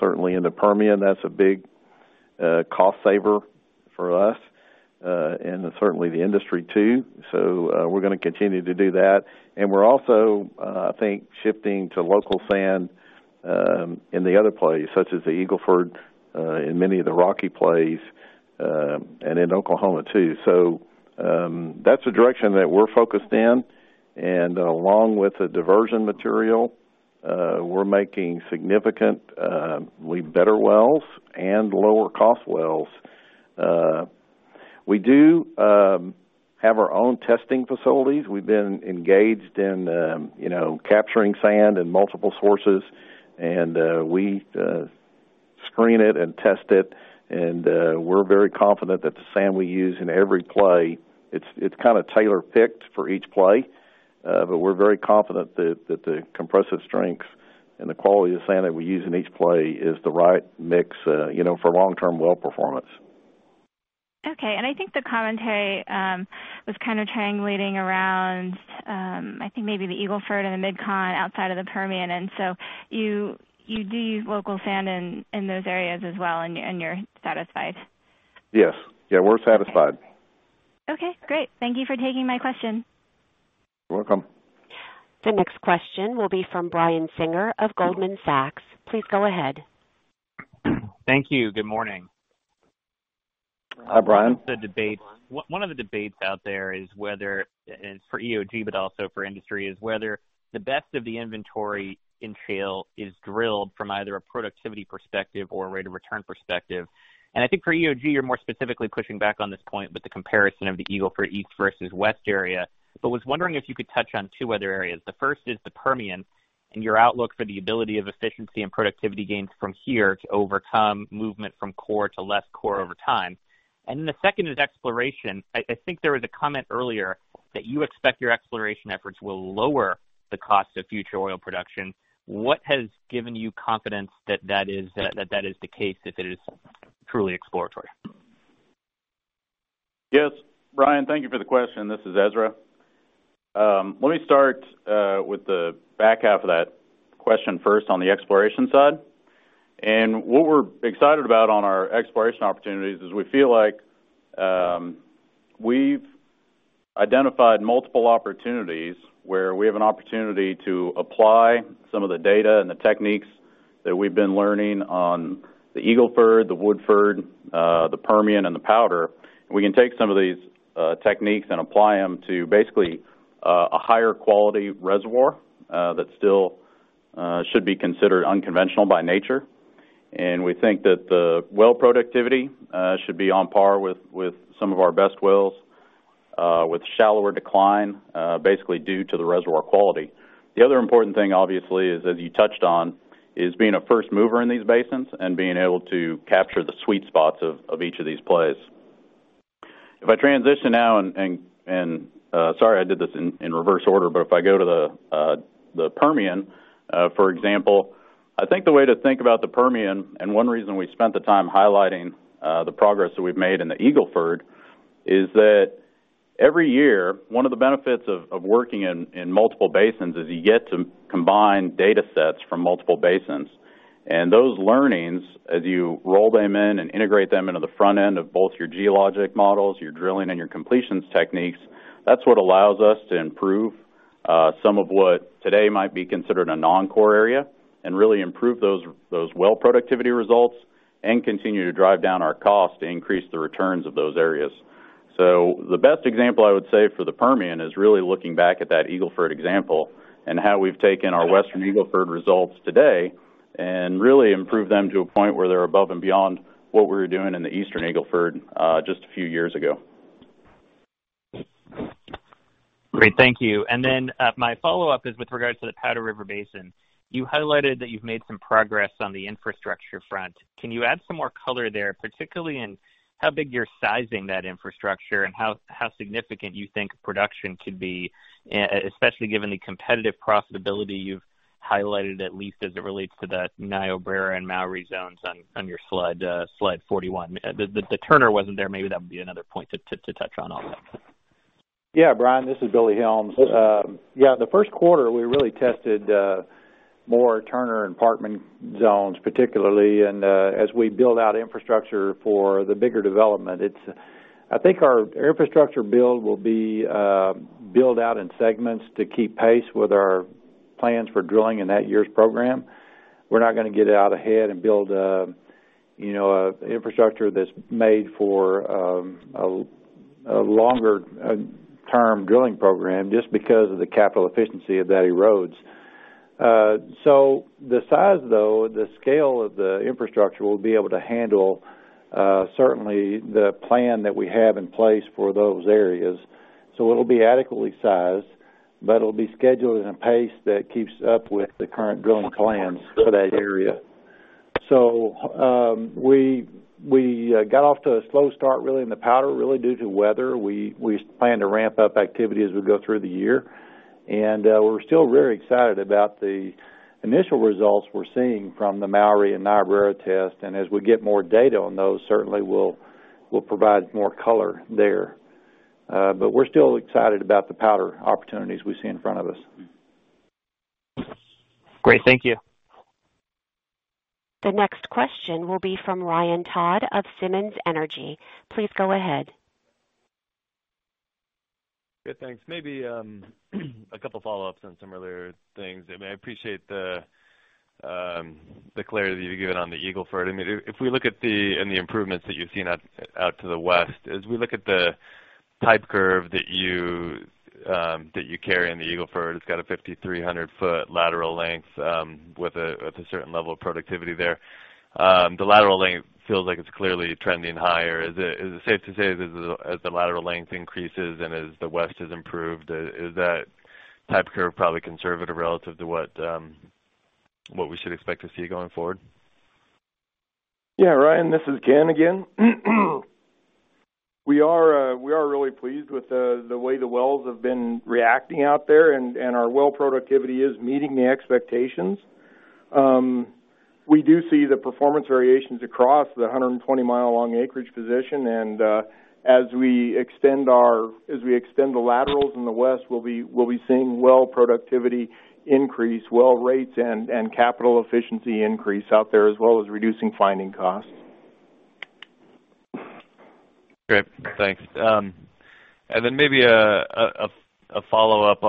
C: Certainly in the Permian, that's a big cost saver for us and certainly the industry too. We're going to continue to do that. We're also, I think, shifting to local sand in the other plays, such as the Eagle Ford, in many of the Rocky plays, and in Oklahoma too. That's the direction that we're focused in, and along with the diversion material. We're making significantly better wells and lower cost wells. We do have our own testing facilities.
D: We've been engaged in capturing sand in multiple sources. We screen it and test it. We're very confident that the sand we use in every play, it's kind of tailor-picked for each play. We're very confident that the compressive strengths and the quality of the sand that we use in each play is the right mix for long-term well performance.
O: Okay. I think the commentary was kind of triangulating around, I think maybe the Eagle Ford and the MidCon outside of the Permian. You do use local sand in those areas as well, and you're satisfied?
C: Yes. We're satisfied.
O: Okay, great. Thank you for taking my question.
C: You're welcome.
A: The next question will be from Brian Singer of Goldman Sachs. Please go ahead.
P: Thank you. Good morning.
C: Hi, Brian.
P: One of the debates out there is whether it's for EOG, but also for industry, is whether the best of the inventory is drilled from either a productivity perspective or a rate of return perspective. I think for EOG, you're more specifically pushing back on this point with the comparison of the Eagle Ford East versus West area. But was wondering if you could touch on two other areas. The first is the Permian and your outlook for the ability of efficiency and productivity gains from here to overcome movement from core to less core over time. The second is exploration. I think there was a comment earlier that you expect your exploration efforts will lower the cost of future oil production. What has given you confidence that is the case if it is truly exploratory?
G: Yes, Brian, thank you for the question. This is Ezra. Let me start with the back half of that question first on the exploration side. What we're excited about on our exploration opportunities is we feel like we've identified multiple opportunities where we have an opportunity to apply some of the data and the techniques that we've been learning on the Eagle Ford, the Woodford, the Permian, and the Powder. We can take some of these techniques and apply them to basically a higher quality reservoir that still should be considered unconventional by nature. We think that the well productivity should be on par with some of our best wells with shallower decline basically due to the reservoir quality. The other important thing obviously is, as you touched on, is being a first mover in these basins and being able to capture the sweet spots of each of these plays. If I transition now, sorry, I did this in reverse order, if I go to the Permian, for example, I think the way to think about the Permian, and one reason we spent the time highlighting the progress that we've made in the Eagle Ford is that every year, one of the benefits of working in multiple basins is you get to combine data sets from multiple basins. Those learnings, as you roll them in and integrate them into the front end of both your geologic models, your drilling, and your completions techniques, that's what allows us to improve some of what today might be considered a non-core area and really improve those well productivity results and continue to drive down our cost to increase the returns of those areas. The best example I would say for the Permian is really looking back at that Eagle Ford example and how we've taken our Western Eagle Ford results today and really improved them to a point where they're above and beyond what we were doing in the Eastern Eagle Ford just a few years ago.
P: Great. Thank you. My follow-up is with regards to the Powder River Basin. You highlighted that you've made some progress on the infrastructure front. Can you add some more color there, particularly in how big you're sizing that infrastructure and how significant you think production could be, especially given the competitive profitability you've highlighted, at least as it relates to the Niobrara and Mowry zones on your slide 41? The Turner wasn't there, maybe that would be another point to touch on also.
D: Brian, this is Billy Helms. The first quarter, we really tested more Turner and Parkman zones, particularly. As we build out infrastructure for the bigger development, I think our infrastructure build will be built out in segments to keep pace with our plans for drilling in that year's program. We're not going to get out ahead and build infrastructure that's made for a longer-term drilling program just because of the capital efficiency of that erodes. The size though, the scale of the infrastructure will be able to handle certainly the plan that we have in place for those areas. It'll be adequately sized, but it'll be scheduled in a pace that keeps up with the current drilling plans for that area. We got off to a slow start really in the Powder, really due to weather. We plan to ramp up activity as we go through the year. We're still very excited about the initial results we're seeing from the Mowry and Niobrara test. As we get more data on those, certainly we'll provide more color there. We're still excited about the Powder opportunities we see in front of us.
P: Great. Thank you.
A: The next question will be from Ryan Todd of Simmons Energy. Please go ahead.
Q: Good, thanks. Maybe a couple follow-ups on some earlier things. I appreciate the the clarity that you've given on the Eagle Ford. If we look at the improvements that you've seen out to the west, as we look at the type curve that you carry in the Eagle Ford, it's got a 5,300-foot lateral length with a certain level of productivity there. The lateral length feels like it's clearly trending higher. Is it safe to say that as the lateral length increases and as the west has improved, is that type curve probably conservative relative to what we should expect to see going forward?
F: Yeah, Ryan, this is Ken again. We are really pleased with the way the wells have been reacting out there, and our well productivity is meeting the expectations. We do see the performance variations across the 120-mile-long acreage position, and as we extend the laterals in the west, we'll be seeing well productivity increase, well rates, and capital efficiency increase out there, as well as reducing finding costs.
Q: Great, thanks. Maybe a follow-up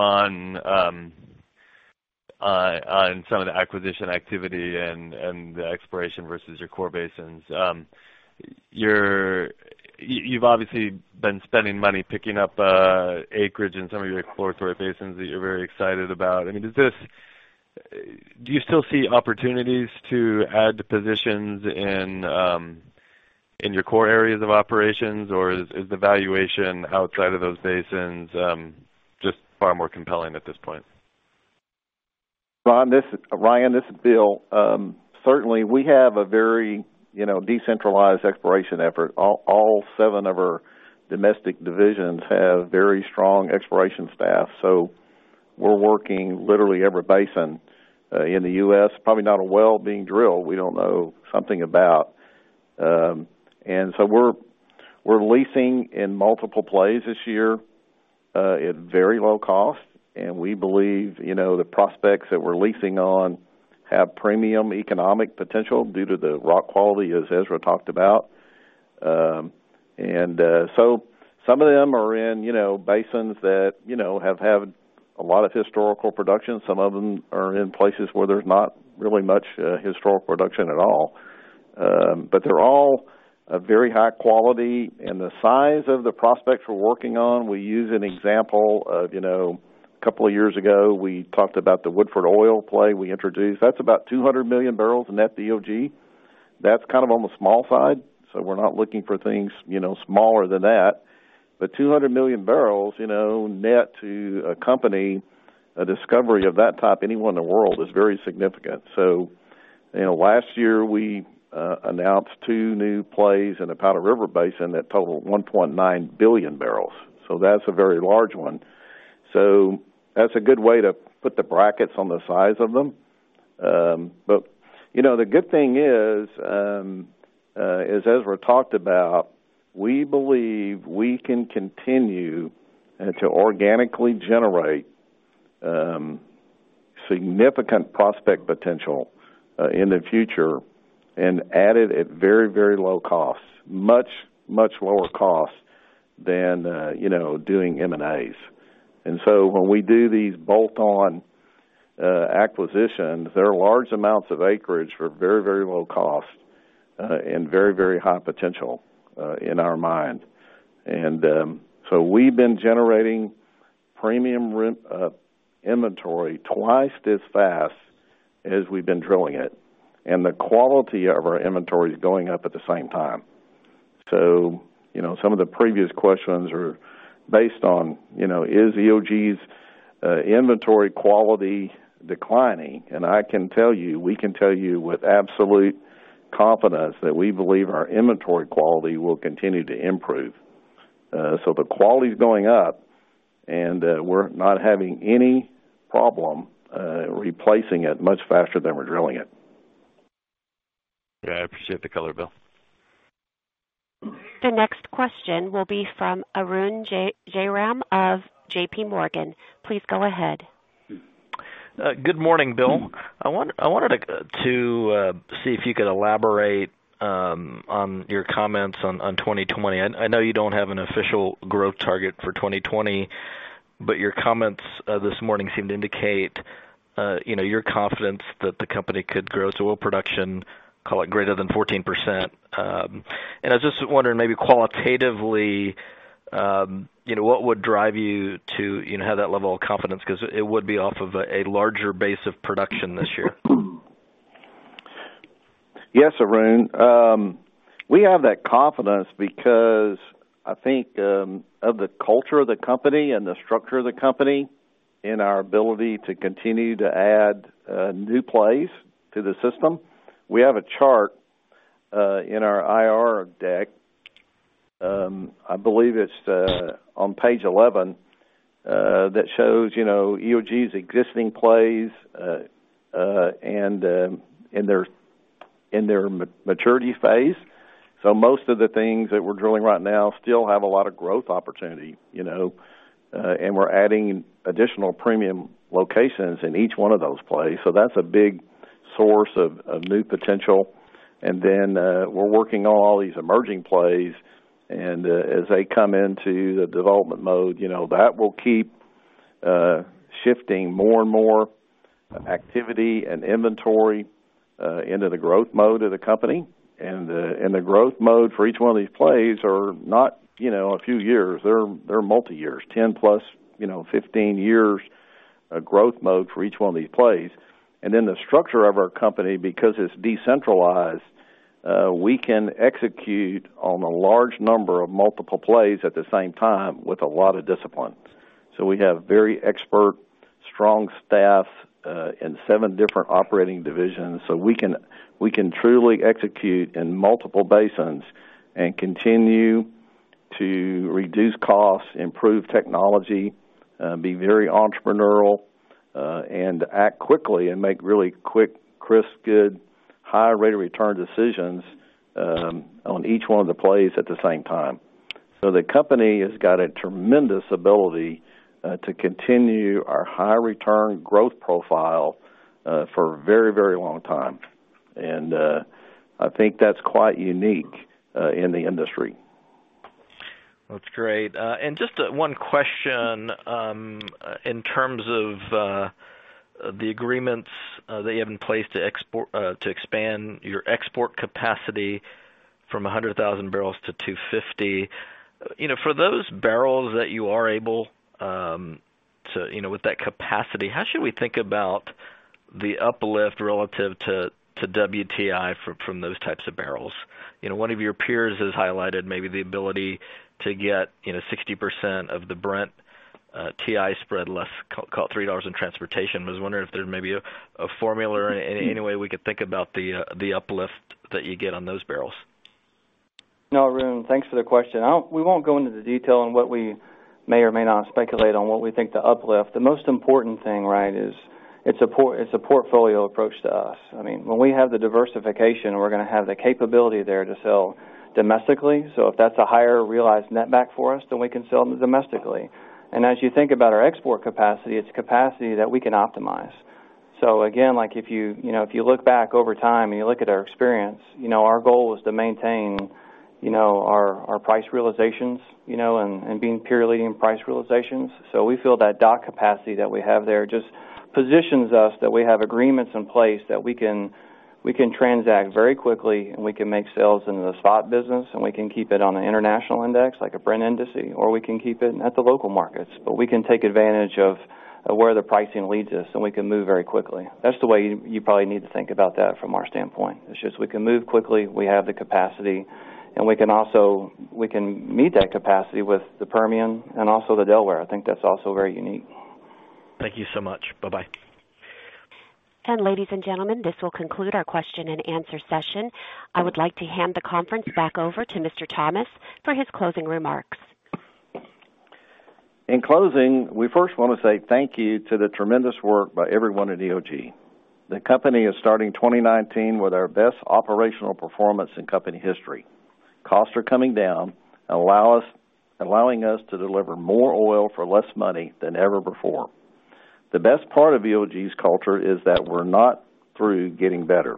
Q: on some of the acquisition activity and the exploration versus your core basins. You've obviously been spending money picking up acreage in some of your exploratory basins that you're very excited about. Do you still see opportunities to add to positions in your core areas of operations, or is the valuation outside of those basins just far more compelling at this point?
C: Ryan, this is Bill. Certainly, we have a very decentralized exploration effort. All 7 of our domestic divisions have very strong exploration staff, so we're working literally every basin in the U.S. Probably not a well being drilled we don't know something about. We're leasing in multiple plays this year at very low cost, and we believe the prospects that we're leasing on have premium economic potential due to the rock quality, as Ezra talked about. Some of them are in basins that have had a lot of historical production. Some of them are in places where there's not really much historical production at all. They're all very high quality, and the size of the prospects we're working on, we use an example of a couple of years ago, we talked about the Woodford oil play we introduced. That's about 200 million barrels net BOE. That's on the small side, so we're not looking for things smaller than that. 200 million barrels net to a company, a discovery of that type anywhere in the world is very significant. Last year, we announced 2 new plays in the Powder River Basin that total 1.9 billion barrels. That's a very large one. That's a good way to put the brackets on the size of them. The good thing is, as Ezra talked about, we believe we can continue to organically generate significant prospect potential in the future and add it at very low costs, much lower costs than doing M&A. When we do these bolt-on acquisitions, there are large amounts of acreage for very low cost and very high potential in our mind. We've been generating premium inventory twice as fast as we've been drilling it, and the quality of our inventory is going up at the same time. Some of the previous questions are based on, is EOG's inventory quality declining? I can tell you, we can tell you with absolute confidence that we believe our inventory quality will continue to improve. The quality's going up, and we're not having any problem replacing it much faster than we're drilling it.
Q: Yeah, I appreciate the color, Bill.
A: The next question will be from Arun Jayaram of J.P. Morgan. Please go ahead.
R: Good morning, Bill. I wanted to see if you could elaborate on your comments on 2020. I know you don't have an official growth target for 2020, but your comments this morning seem to indicate your confidence that the company could grow to oil production, call it greater than 14%. I was just wondering, maybe qualitatively, what would drive you to have that level of confidence? Because it would be off of a larger base of production this year.
C: Yes, Arun. We have that confidence because I think of the culture of the company and the structure of the company and our ability to continue to add new plays to the system. We have a chart in our IR deck, I believe it's on page 11, that shows EOG's existing plays and in their maturity phase. Most of the things that we're drilling right now still have a lot of growth opportunity, and we're adding additional premium locations in each one of those plays. That's a big source of new potential. Then we're working on all these emerging plays, and as they come into the development mode, that will keep shifting more and more activity and inventory into the growth mode of the company. The growth mode for each one of these plays are not a few years, they're multi-years, 10 plus, 15 years of growth mode for each one of these plays. The structure of our company, because it's decentralized, we can execute on a large number of multiple plays at the same time with a lot of discipline. We have very expert, strong staff in seven different operating divisions. We can truly execute in multiple basins and continue to reduce costs, improve technology, be very entrepreneurial, and act quickly and make really quick, crisp, good, high rate of return decisions on each one of the plays at the same time. The company has got a tremendous ability to continue our high return growth profile for a very long time. I think that's quite unique in the industry.
R: That's great. Just one question, in terms of the agreements that you have in place to expand your export capacity from 100,000 barrels to 250. For those barrels that you are able to, with that capacity, how should we think about the uplift relative to WTI from those types of barrels? One of your peers has highlighted maybe the ability to get 60% of the Brent WTI spread less, call it $3 in transportation. Was wondering if there may be a formula or any way we could think about the uplift that you get on those barrels.
E: No, Arun, thanks for the question. We won't go into the detail on what we may or may not speculate on what we think the uplift. The most important thing is it's a portfolio approach to us. When we have the diversification, we're going to have the capability there to sell domestically. As you think about our export capacity, it's capacity that we can optimize. Again, if you look back over time and you look at our experience, our goal is to maintain our price realizations, and being peer leading in price realizations. We feel that dock capacity that we have there just positions us that we have agreements in place that we can transact very quickly, and we can make sales into the spot business, and we can keep it on the international index, like a Brent index, or we can keep it at the local markets. We can take advantage of where the pricing leads us, and we can move very quickly. That's the way you probably need to think about that from our standpoint. It's just we can move quickly, we have the capacity, and we can meet that capacity with the Permian and also the Delaware. I think that's also very unique.
R: Thank you so much. Bye-bye.
A: Ladies and gentlemen, this will conclude our question and answer session. I would like to hand the conference back over to Mr. Thomas for his closing remarks.
C: In closing, we first want to say thank you to the tremendous work by everyone at EOG. The company is starting 2019 with our best operational performance in company history. Costs are coming down, allowing us to deliver more oil for less money than ever before. The best part of EOG's culture is that we're not through getting better.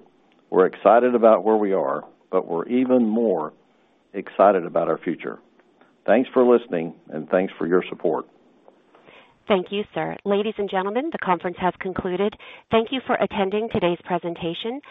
C: We're excited about where we are, but we're even more excited about our future. Thanks for listening, and thanks for your support.
A: Thank you, sir. Ladies and gentlemen, the conference has concluded. Thank you for attending today's presentation.